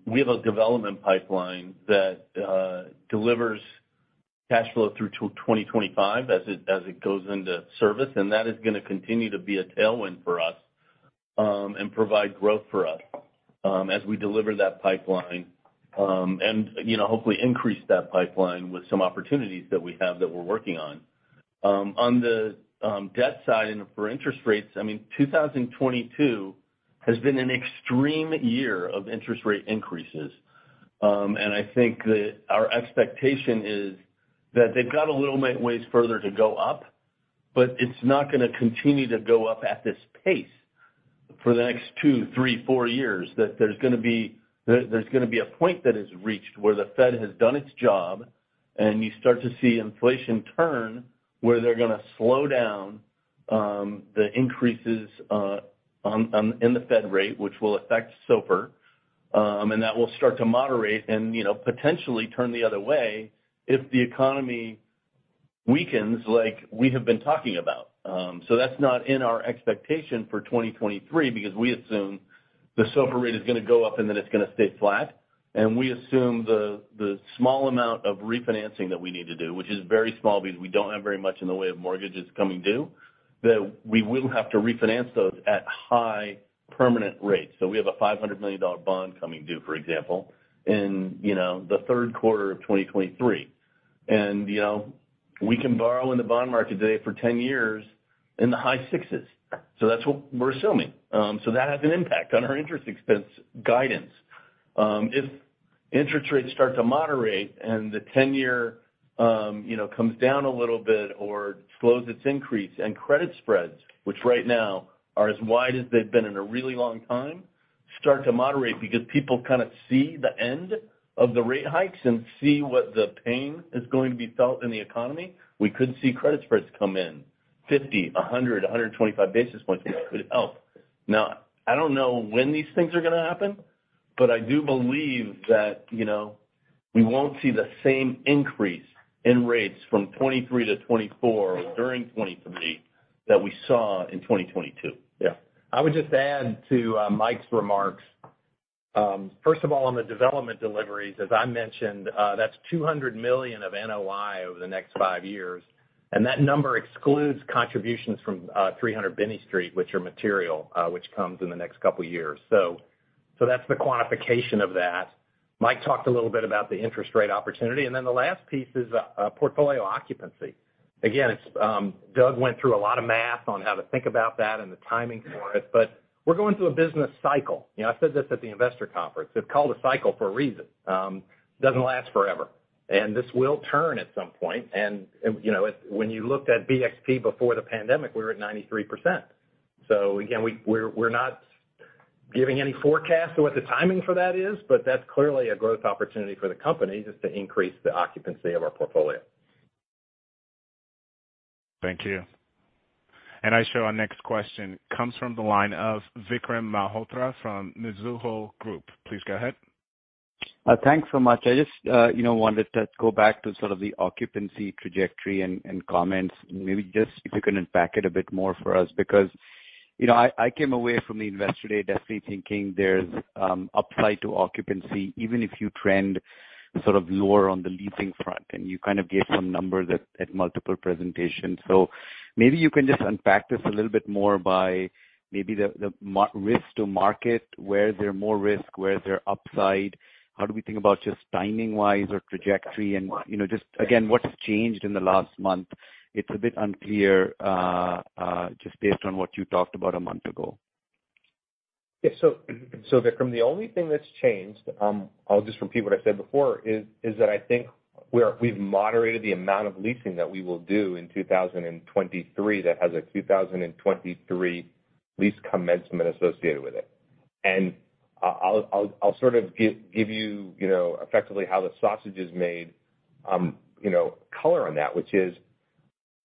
we have a development pipeline that delivers cash flow through to 2025 as it goes into service, and that is gonna continue to be a tailwind for us, and provide growth for us, as we deliver that pipeline. You know, hopefully increase that pipeline with some opportunities that we have that we're working on. On the debt side and for interest rates, I mean, 2022 has been an extreme year of interest rate increases. I think that our expectation is that they've got a little ways further to go up, but it's not gonna continue to go up at this pace for the next 2, 3, 4 years. That there's gonna be a point that is reached where the Fed has done its job and you start to see inflation turn, where they're gonna slow down the increases in the Fed rate, which will affect SOFR. That will start to moderate and, you know, potentially turn the other way if the economy weakens like we have been talking about. That's not in our expectation for 2023 because we assume the SOFR rate is gonna go up and then it's gonna stay flat. We assume the small amount of refinancing that we need to do, which is very small because we don't have very much in the way of mortgages coming due, that we will have to refinance those at high permanent rates. We have a $500 million bond coming due, for example, in, you know, the third quarter of 2023. You know, we can borrow in the bond market today for 10 years in the high sixes. That's what we're assuming. That has an impact on our interest expense guidance. If interest rates start to moderate and the 10-year, you know, comes down a little bit or slows its increase and credit spreads, which right now are as wide as they've been in a really long time, start to moderate because people kind of see the end of the rate hikes and see what the pain is going to be felt in the economy. We could see credit spreads come in 50, 100, 125 basis points. It could help. Now, I don't know when these things are gonna happen, but I do believe that, you know, we won't see the same increase in rates from 2023 to 2024 or during 2023 that we saw in 2022. Yeah. I would just add to Mike's remarks. First of all, on the development deliveries, as I mentioned, that's $200 million of NOI over the next 5 years, and that number excludes contributions from 300 Binney Street, which are material, which comes in the next couple of years. So that's the quantification of that. Mike talked a little bit about the interest rate opportunity. Then the last piece is portfolio occupancy. Again, it's Doug went through a lot of math on how to think about that and the timing for it, but we're going through a business cycle. You know, I said this at the investor conference. It's called a cycle for a reason. It doesn't last forever. This will turn at some point. You know, when you looked at BXP before the pandemic, we were at 93%. Again, we're not giving any forecast to what the timing for that is, but that's clearly a growth opportunity for the company, just to increase the occupancy of our portfolio. Thank you. I show our next question comes from the line of Vikram Malhotra from Mizuho Group. Please go ahead. Thanks so much. I just, you know, wanted to go back to sort of the occupancy trajectory and comments. Maybe just if you can unpack it a bit more for us. Because, you know, I came away from the investor day definitely thinking there's upside to occupancy, even if you trend sort of lower on the leasing front, and you kind of gave some numbers at multiple presentations. Maybe you can just unpack this a little bit more by maybe the mark-to-market, where is there more risk, where is there upside? How do we think about just timing-wise or trajectory? You know, just again, what's changed in the last month? It's a bit unclear, just based on what you talked about a month ago. Vikram, the only thing that's changed, I'll just repeat what I said before, is that I think we've moderated the amount of leasing that we will do in 2023 that has a 2023 lease commencement associated with it. I'll sort of give you know, effectively how the sausage is made, you know, color on that, which is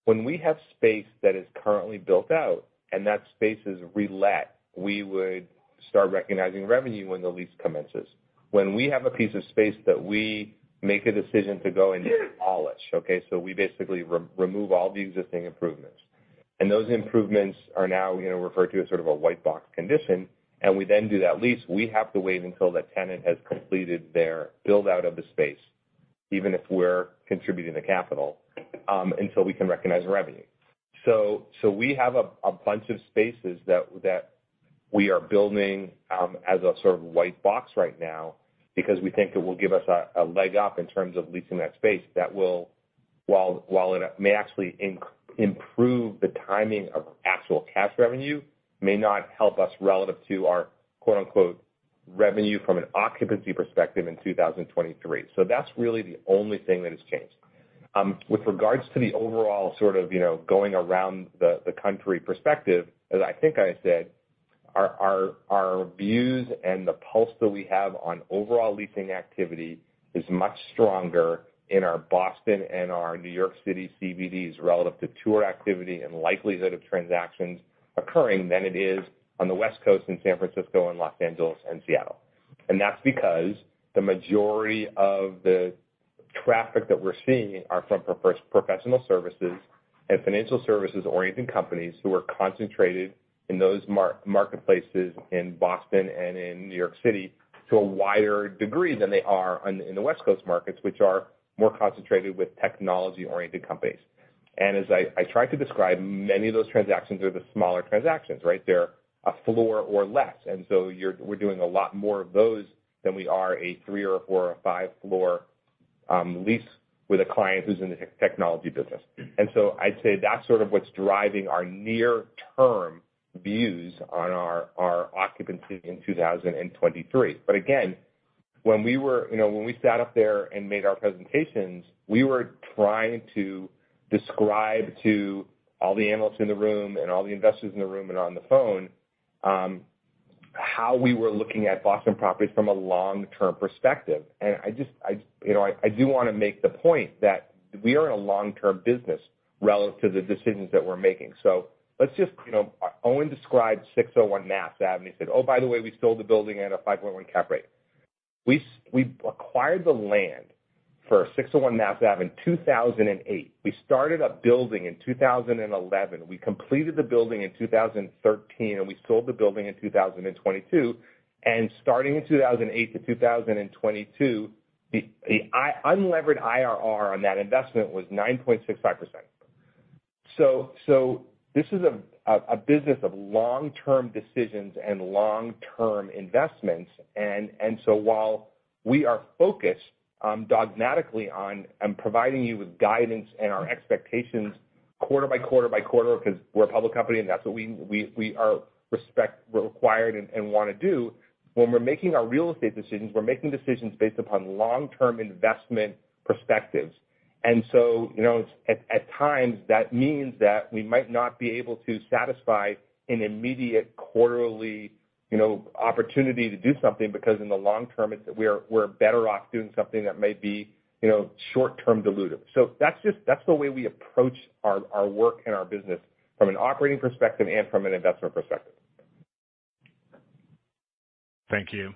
when we have space that is currently built out and that space is relet, we would start recognizing revenue when the lease commences. When we have a piece of space that we make a decision to go and demolish, so we basically remove all the existing improvements. Those improvements are now, you know, referred to as sort of a white box condition, and we then do that lease, we have to wait until that tenant has completed their build out of the space, even if we're contributing the capital, until we can recognize revenue. We have a bunch of spaces that we are building as a sort of white box right now because we think it will give us a leg up in terms of leasing that space that will, while it may actually improve the timing of actual cash revenue, may not help us relative to our quote-unquote, "revenue" from an occupancy perspective in 2023. That's really the only thing that has changed. With regards to the overall sort of, you know, going around the country perspective, as I think I said, our views and the pulse that we have on overall leasing activity is much stronger in our Boston and our New York City CBDs relative to tour activity and likelihood of transactions occurring than it is on the West Coast in San Francisco and Los Angeles and Seattle. That's because the majority of the traffic that we're seeing are from professional services and financial services-oriented companies who are concentrated in those marketplaces in Boston and in New York City to a wider degree than they are on the West Coast markets, which are more concentrated with technology-oriented companies. As I tried to describe, many of those transactions are the smaller transactions, right? They're a floor or less. You're doing a lot more of those than we are a three or a four or a five-floor lease with a client who's in the technology business. I'd say that's sort of what's driving our near term views on our occupancy in 2023. But again, when we were, you know, when we sat up there and made our presentations, we were trying to describe to all the analysts in the room and all the investors in the room and on the phone how we were looking at Boston Properties from a long-term perspective. I just, you know, I do wanna make the point that we are in a long-term business relative to the decisions that we're making. Let's just, you know, Owen described 601 Massachusetts Avenue. He said, "Oh, by the way, we sold the building at a 5.1 cap rate." We acquired the land for 601 Massachusetts Avenue in 2008. We started a building in 2011. We completed the building in 2013, and we sold the building in 2022. Starting in 2008 to 2022, the unlevered IRR on that investment was 9.65%. This is a business of long-term decisions and long-term investments. While we are focused dogmatically on providing you with guidance and our expectations quarter by quarter because we're a public company, and that's what we're required and wanna do. When we're making our real estate decisions, we're making decisions based upon long-term investment perspectives. You know, at times, that means that we might not be able to satisfy an immediate quarterly, you know, opportunity to do something because in the long term, we're better off doing something that might be, you know, short-term dilutive. That's the way we approach our work and our business from an operating perspective and from an investment perspective. Thank you.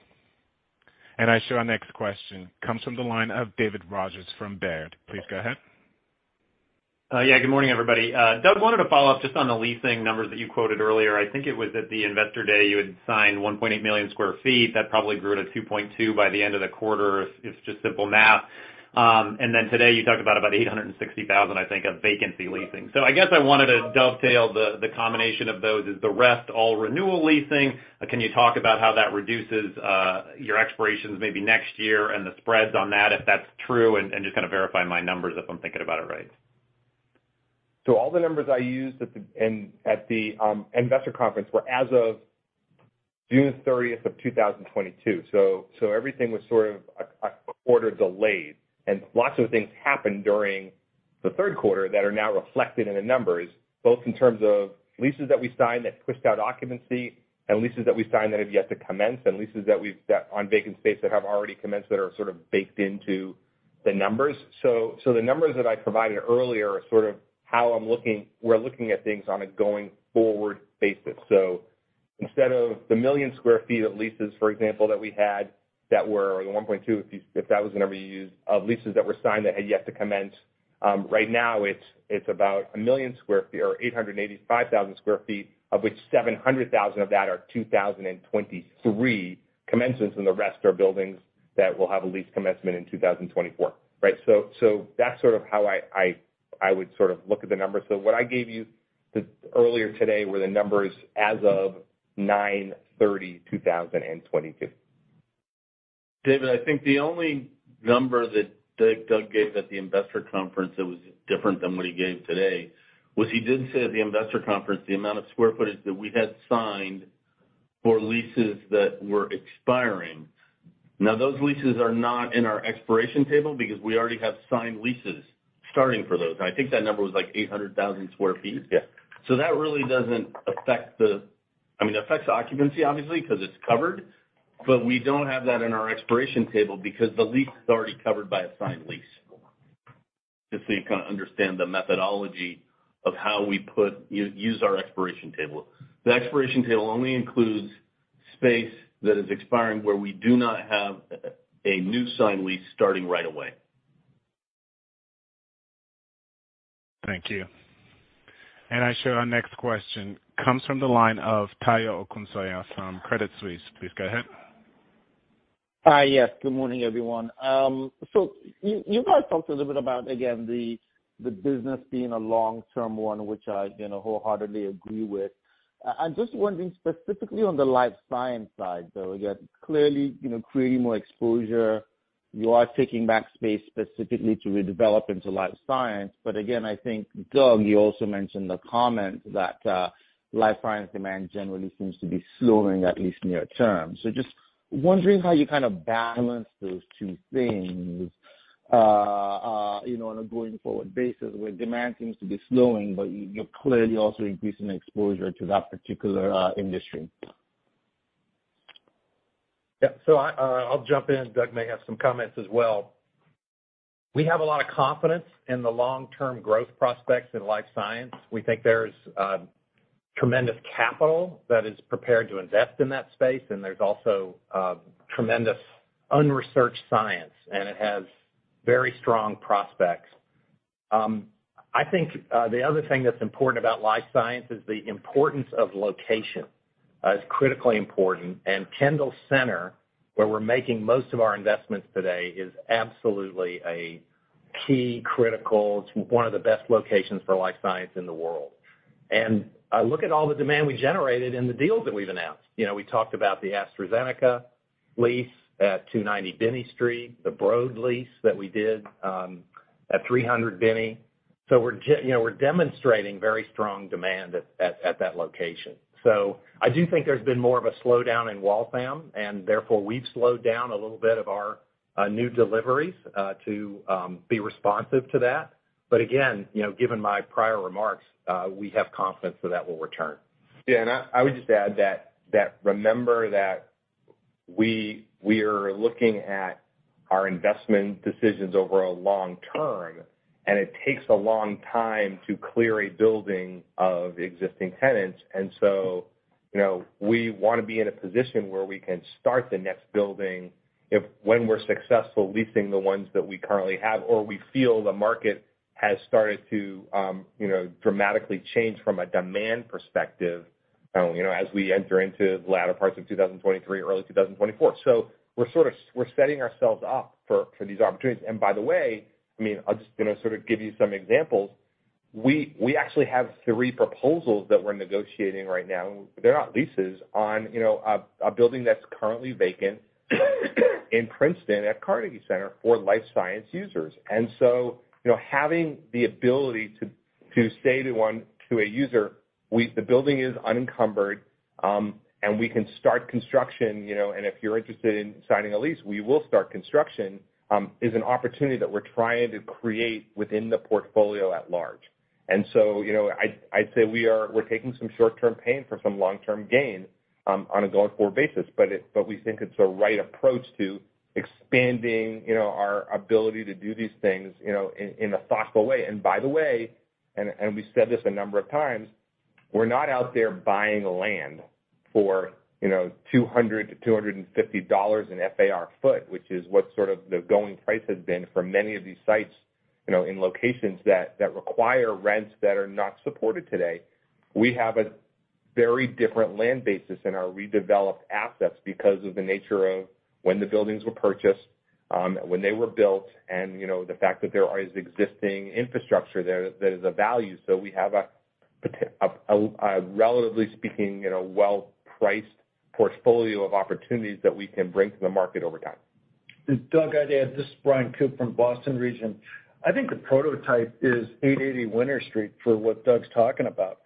I show our next question comes from the line of David Rodgers from Baird. Please go ahead. Yeah, good morning, everybody. Doug, wanted to follow up just on the leasing numbers that you quoted earlier. I think it was at the Investor Day. You had signed 1.8 million sq ft. That probably grew to 2.2 by the end of the quarter. It's just simple math. Today, you talked about 860,000, I think, of vacancy leasing. I guess I wanted to dovetail the combination of those. Is the rest all renewal leasing? Can you talk about how that reduces your expirations maybe next year and the spreads on that, if that's true, and just kinda verify my numbers if I'm thinking about it right. All the numbers I used at the investor conference were as of June thirtieth, 2022. Everything was sort of a quarter delayed. Lots of things happened during the third quarter that are now reflected in the numbers, both in terms of leases that we signed that pushed out occupancy and leases that we signed that have yet to commence and leases on vacant space that have already commenced that are sort of baked into the numbers. The numbers that I provided earlier are sort of how we're looking at things on a going forward basis. Instead of the 1 million sq ft of leases, for example, that we had that were the 1.2, if that was the number you used, of leases that were signed that had yet to commence, right now, it's about 1 million sq ft or 885,000 sq ft, of which 700,000 of that are 2023 commencements, and the rest are buildings that will have a lease commencement in 2024. Right? That's sort of how I would sort of look at the numbers. What I gave you earlier today were the numbers as of 9/30/2022. David, I think the only number that Doug gave at the investor conference that was different than what he gave today was he did say at the investor conference the amount of square footage that we had signed for leases that were expiring. Now, those leases are not in our expiration table because we already have signed leases starting for those. I think that number was, like, 800,000 sq ft. Yeah. That really doesn't affect the. I mean, it affects the occupancy obviously, 'cause it's covered. We don't have that in our expiration table because the lease is already covered by a signed lease. Just so you kinda understand the methodology of how we use our expiration table. The expiration table only includes space that is expiring where we do not have a new signed lease starting right away. Thank you. I show our next question comes from the line of Tayo Okusanya from Credit Suisse. Please go ahead. Yes, good morning, everyone. You guys talked a little bit about, again, the business being a long-term one, which I you know wholeheartedly agree with. I'm just wondering specifically on the life science side, though, again, clearly, you know, creating more exposure. You are taking back space specifically to redevelop into life science. But again, I think, Doug, you also mentioned the comment that life science demand generally seems to be slowing, at least near-term. Just wondering how you kind of balance those two things, you know, on a going-forward basis where demand seems to be slowing, but you're clearly also increasing exposure to that particular industry. Yeah. I'll jump in. Doug may have some comments as well. We have a lot of confidence in the long-term growth prospects in life science. We think there's tremendous capital that is prepared to invest in that space, and there's also tremendous unresearched science, and it has very strong prospects. I think the other thing that's important about life science is the importance of location is critically important. Kendall Square, where we're making most of our investments today, is absolutely a key critical to one of the best locations for life science in the world. I look at all the demand we generated in the deals that we've announced. You know, we talked about the AstraZeneca lease at 290 Binney Street, the Broad Institute lease that we did at 300 Binney. We're demonstrating very strong demand at that location. I do think there's been more of a slowdown in Waltham, and therefore we've slowed down a little bit of our new deliveries to be responsive to that. Again, you know, given my prior remarks, we have confidence that that will return. Yeah. I would just add that remember that we're looking at our investment decisions over a long term, and it takes a long time to clear a building of existing tenants. We want to be in a position where we can start the next building if when we're successful leasing the ones that we currently have, or we feel the market has started to dramatically change from a demand perspective, as we enter into the latter parts of 2023, early 2024. We're setting ourselves up for these opportunities. By the way, I mean, I'll just, you know, sort of give you some examples. We actually have three proposals that we're negotiating right now. They're not leases on a building that's currently vacant in Princeton at Carnegie Center for life science users. You know, having the ability to say to a user, the building is unencumbered, and we can start construction. You know, and if you're interested in signing a lease, we will start construction is an opportunity that we're trying to create within the portfolio at large. You know, I'd say we're taking some short-term pain for some long-term gain on a going-forward basis. We think it's the right approach to expanding, you know, our ability to do these things, you know, in a thoughtful way. By the way, we've said this a number of times. We're not out there buying land for, you know, $200-$250 in FAR foot, which is what sort of the going price has been for many of these sites, you know, in locations that require rents that are not supported today. We have a very different land basis in our redeveloped assets because of the nature of when the buildings were purchased, when they were built, and, you know, the fact that there is existing infrastructure there that is of value. We have a relatively speaking, you know, well-priced portfolio of opportunities that we can bring to the market over time. Doug, I'd add, this is Bryan Koop from Boston Region. I think the prototype is Eight Eighty Winter Street for what Doug's talking about.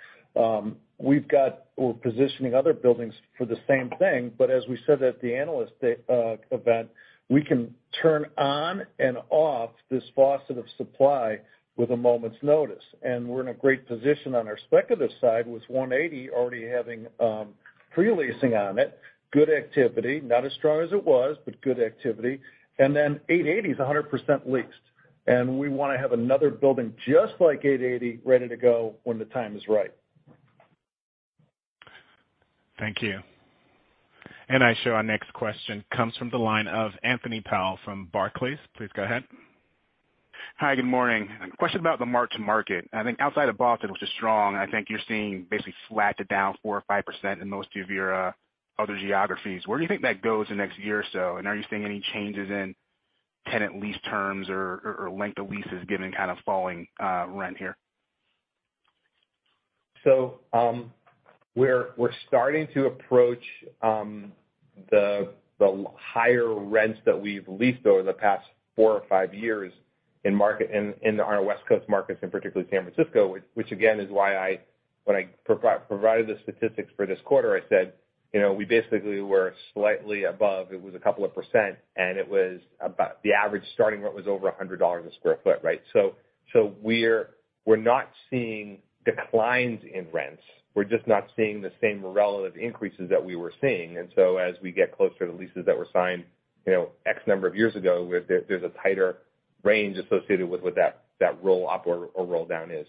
We're positioning other buildings for the same thing, but as we said at the analyst event, we can turn on and off this faucet of supply with a moment's notice. We're in a great position on our speculative side, with One Eighty already having pre-leasing on it. Good activity, not as strong as it was, but good activity. Eight Eighty is 100% leased, and we wanna have another building just like Eight Eighty ready to go when the time is right. Thank you. Our next question comes from the line of Anthony Powell from Barclays. Please go ahead. Hi, good morning. A question about the mark-to-market. I think outside of Boston, which is strong, I think you're seeing basically flat to down 4%-5% in most of your other geographies. Where do you think that goes in the next year or so? Are you seeing any changes in tenant lease terms or length of leases given kind of falling rent here? We're starting to approach the higher rents that we've leased over the past 4 or 5 years in our West Coast markets, and particularly San Francisco, which again is why, when I provided the statistics for this quarter, I said, you know, we basically were slightly above. It was 2%, and it was about the average starting rate was over $100 a sq ft, right? We're not seeing declines in rents. We're just not seeing the same relative increases that we were seeing. As we get closer to leases that were signed, you know, X number of years ago, there's a tighter range associated with what that roll up or roll down is.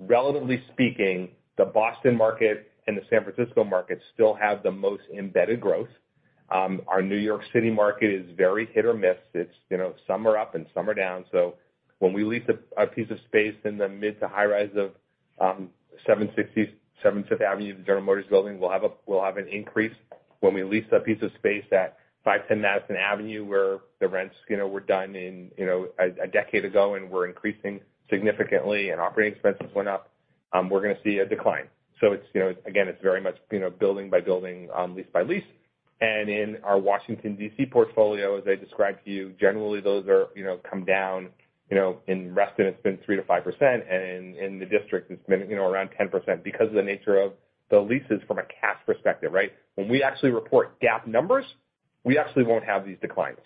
Relatively speaking, the Boston market and the San Francisco market still have the most embedded growth. Our New York City market is very hit or miss. It's, you know, some are up and some are down. When we lease a piece of space in the mid- to high-rise of 767 Fifth Avenue, the General Motors Building, we'll have an increase. When we lease a piece of space at 510 Madison Avenue, where the rents, you know, were done in, you know, a decade ago, and were increasing significantly and operating expenses went up, we're gonna see a decline. It's, you know, again, it's very much, you know, building by building, lease by lease. In our Washington, D.C. portfolio, as I described to you, generally those are, you know, come down, you know, in Reston it's been 3%-5%, and in The District it's been, you know, around 10% because of the nature of the leases from a cash perspective, right? When we actually report GAAP numbers, we actually won't have these declines,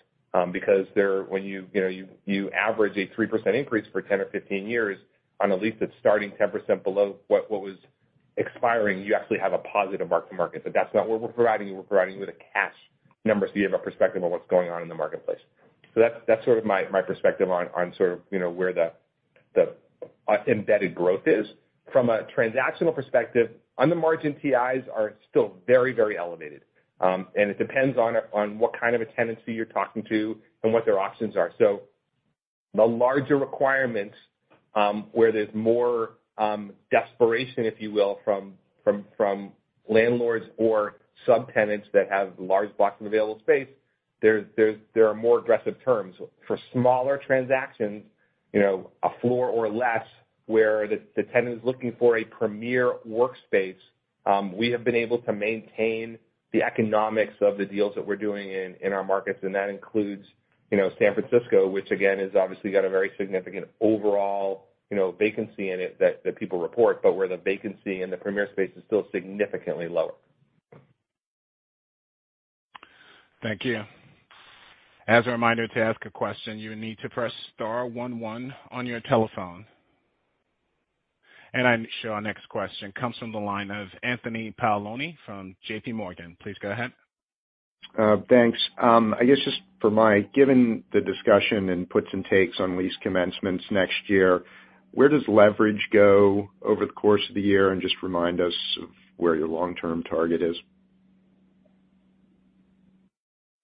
because they're when you know, you average a 3% increase for 10 or 15 years on a lease that's starting 10% below what was expiring, you actually have a positive mark-to-market. But that's not what we're providing you. We're providing you with a cash number so you have a perspective on what's going on in the marketplace. So that's sort of my perspective on sort of, you know, where the embedded growth is. From a transactional perspective, on the margin, TIs are still very, very elevated. It depends on what kind of a tenancy you're talking to and what their options are. The larger requirements, where there's more desperation, if you will, from landlords or subtenants that have large blocks of available space, there are more aggressive terms. For smaller transactions, you know, a floor or less, where the tenant is looking for a premier workspace, we have been able to maintain the economics of the deals that we're doing in our markets, and that includes, you know, San Francisco, which again is obviously got a very significant overall, you know, vacancy in it that people report, but where the vacancy in the premier space is still significantly lower. Thank you. As a reminder to ask a question, you need to press star one one on your telephone. I show our next question comes from the line of Anthony Paolone from JP Morgan. Please go ahead. Thanks. I guess just for Mike, given the discussion and puts and takes on lease commencements next year, where does leverage go over the course of the year? Just remind us of where your long-term target is.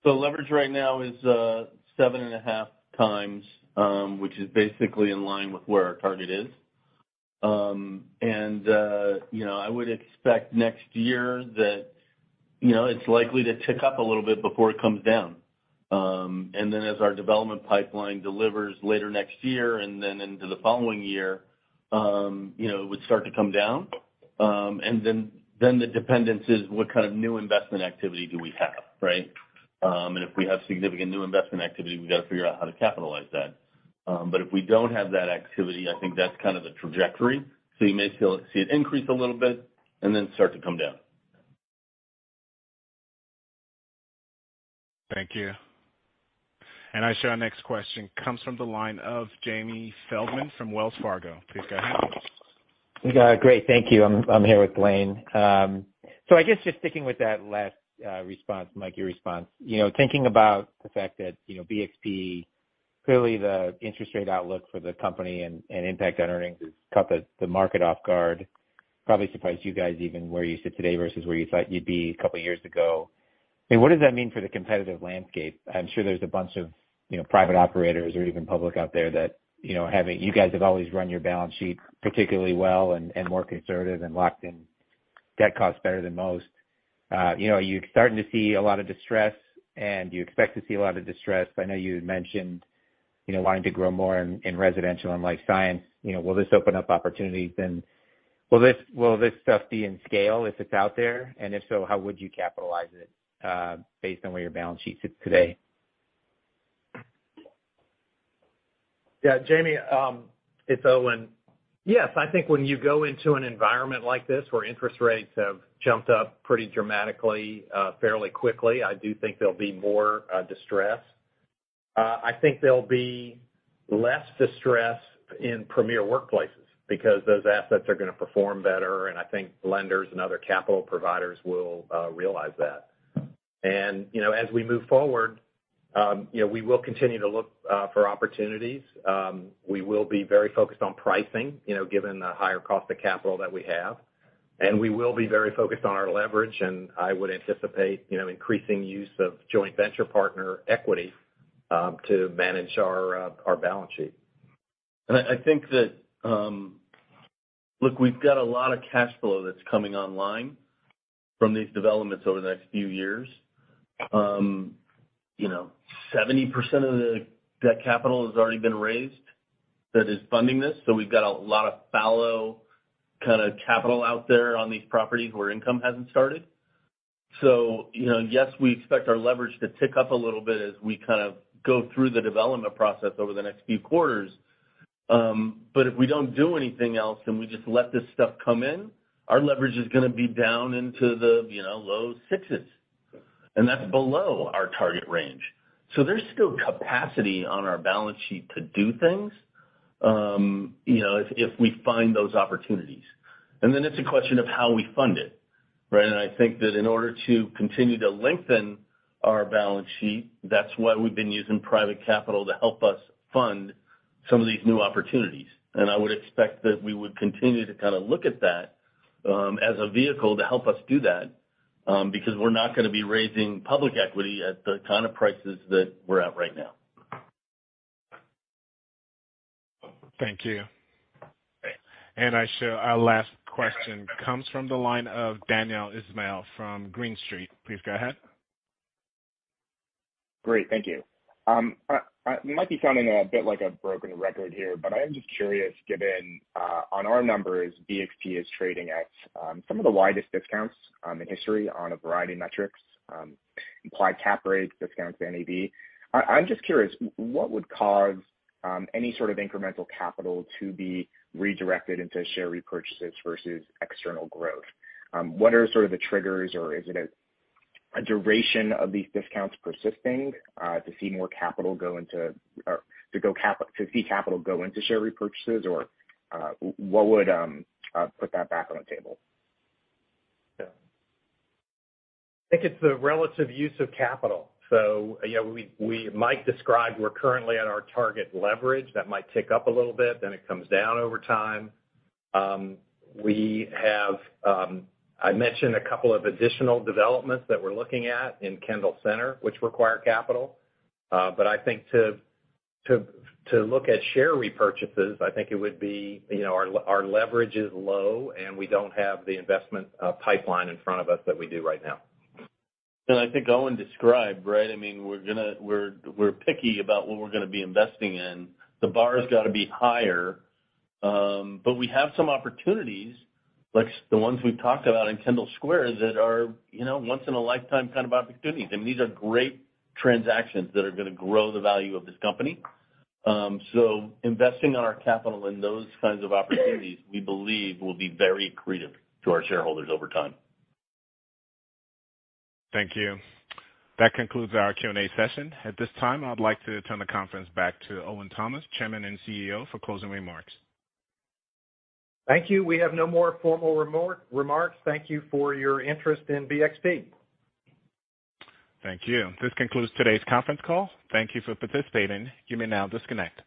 Leverage right now is 7.5x, which is basically in line with where our target is. You know, I would expect next year that, you know, it's likely to tick up a little bit before it comes down. As our development pipeline delivers later next year and then into the following year, you know, it would start to come down. Then it depends on what kind of new investment activity do we have, right? If we have significant new investment activity, we've got to figure out how to capitalize that. But if we don't have that activity, I think that's kind of the trajectory. You may still see it increase a little bit and then start to come down. Thank you. Our next question comes from the line of Jamie Feldman from Wells Fargo. Please go ahead. Yeah. Great. Thank you. I'm here with Blaine. So I guess just sticking with that last response, Mike, your response. You know, thinking about the fact that, you know, BXP, clearly the interest rate outlook for the company and impact on earnings has caught the market off guard, probably surprised you guys even where you sit today versus where you thought you'd be a couple of years ago. I mean, what does that mean for the competitive landscape? I'm sure there's a bunch of, you know, private operators or even public out there that, you know. You guys have always run your balance sheet particularly well and more conservative and locked in debt costs better than most. You know, you're starting to see a lot of distress, and you expect to see a lot of distress. I know you had mentioned, you know, wanting to grow more in residential and life science. You know, will this open up opportunities and will this stuff be in scale if it's out there? If so, how would you capitalize it based on where your balance sheet sits today? Yeah. Jamie, it's Owen. Yes. I think when you go into an environment like this where interest rates have jumped up pretty dramatically, fairly quickly, I do think there'll be more distress. I think there'll be less distress in premier workplaces because those assets are gonna perform better. I think lenders and other capital providers will realize that. You know, as we move forward, you know, we will continue to look for opportunities. We will be very focused on pricing, you know, given the higher cost of capital that we have. We will be very focused on our leverage, and I would anticipate, you know, increasing use of joint venture partner equity, to manage our balance sheet. I think that. Look, we've got a lot of cash flow that's coming online from these developments over the next few years. You know, 70% of the debt capital has already been raised that is funding this. We've got a lot of fallow kinda capital out there on these properties where income hasn't started. You know, yes, we expect our leverage to tick up a little bit as we kind of go through the development process over the next few quarters. But if we don't do anything else and we just let this stuff come in, our leverage is gonna be down into the, you know, low sixes, and that's below our target range. There's still capacity on our balance sheet to do things, you know, if we find those opportunities. It's a question of how we fund it, right? I think that in order to continue to lengthen our balance sheet, that's why we've been using private capital to help us fund some of these new opportunities. I would expect that we would continue to kinda look at that, as a vehicle to help us do that, because we're not gonna be raising public equity at the kind of prices that we're at right now. Thank you. Thanks. I show our last question comes from the line of Daniel Ismail from Green Street. Please go ahead. Great. Thank you. It might be sounding a bit like a broken record here, but I am just curious, given on our numbers, BXP is trading at some of the widest discounts in history on a variety of metrics, implied cap rates, discounts to NAV. I'm just curious, what would cause any sort of incremental capital to be redirected into share repurchases versus external growth? What are sort of the triggers, or is it a duration of these discounts persisting to see more capital go into share repurchases, or what would put that back on the table? I think it's the relative use of capital. Yeah, we might describe we're currently at our target leverage. That might tick up a little bit, then it comes down over time. We have, I mentioned a couple of additional developments that we're looking at in Kendall Square, which require capital. But I think to look at share repurchases, I think it would be, you know, our leverage is low, and we don't have the investment pipeline in front of us that we do right now. I think Owen described, right? I mean, we're picky about what we're gonna be investing in. The bar has got to be higher. We have some opportunities, like the ones we've talked about in Kendall Square, that are, you know, once in a lifetime kind of opportunities. I mean, these are great transactions that are gonna grow the value of this company. Investing our capital in those kinds of opportunities, we believe will be very accretive to our shareholders over time. Thank you. That concludes our Q&A session. At this time, I'd like to turn the conference back to Owen Thomas, Chairman and CEO, for closing remarks. Thank you. We have no more formal remarks. Thank you for your interest in BXP. Thank you. This concludes today's conference call. Thank you for participating. You may now disconnect.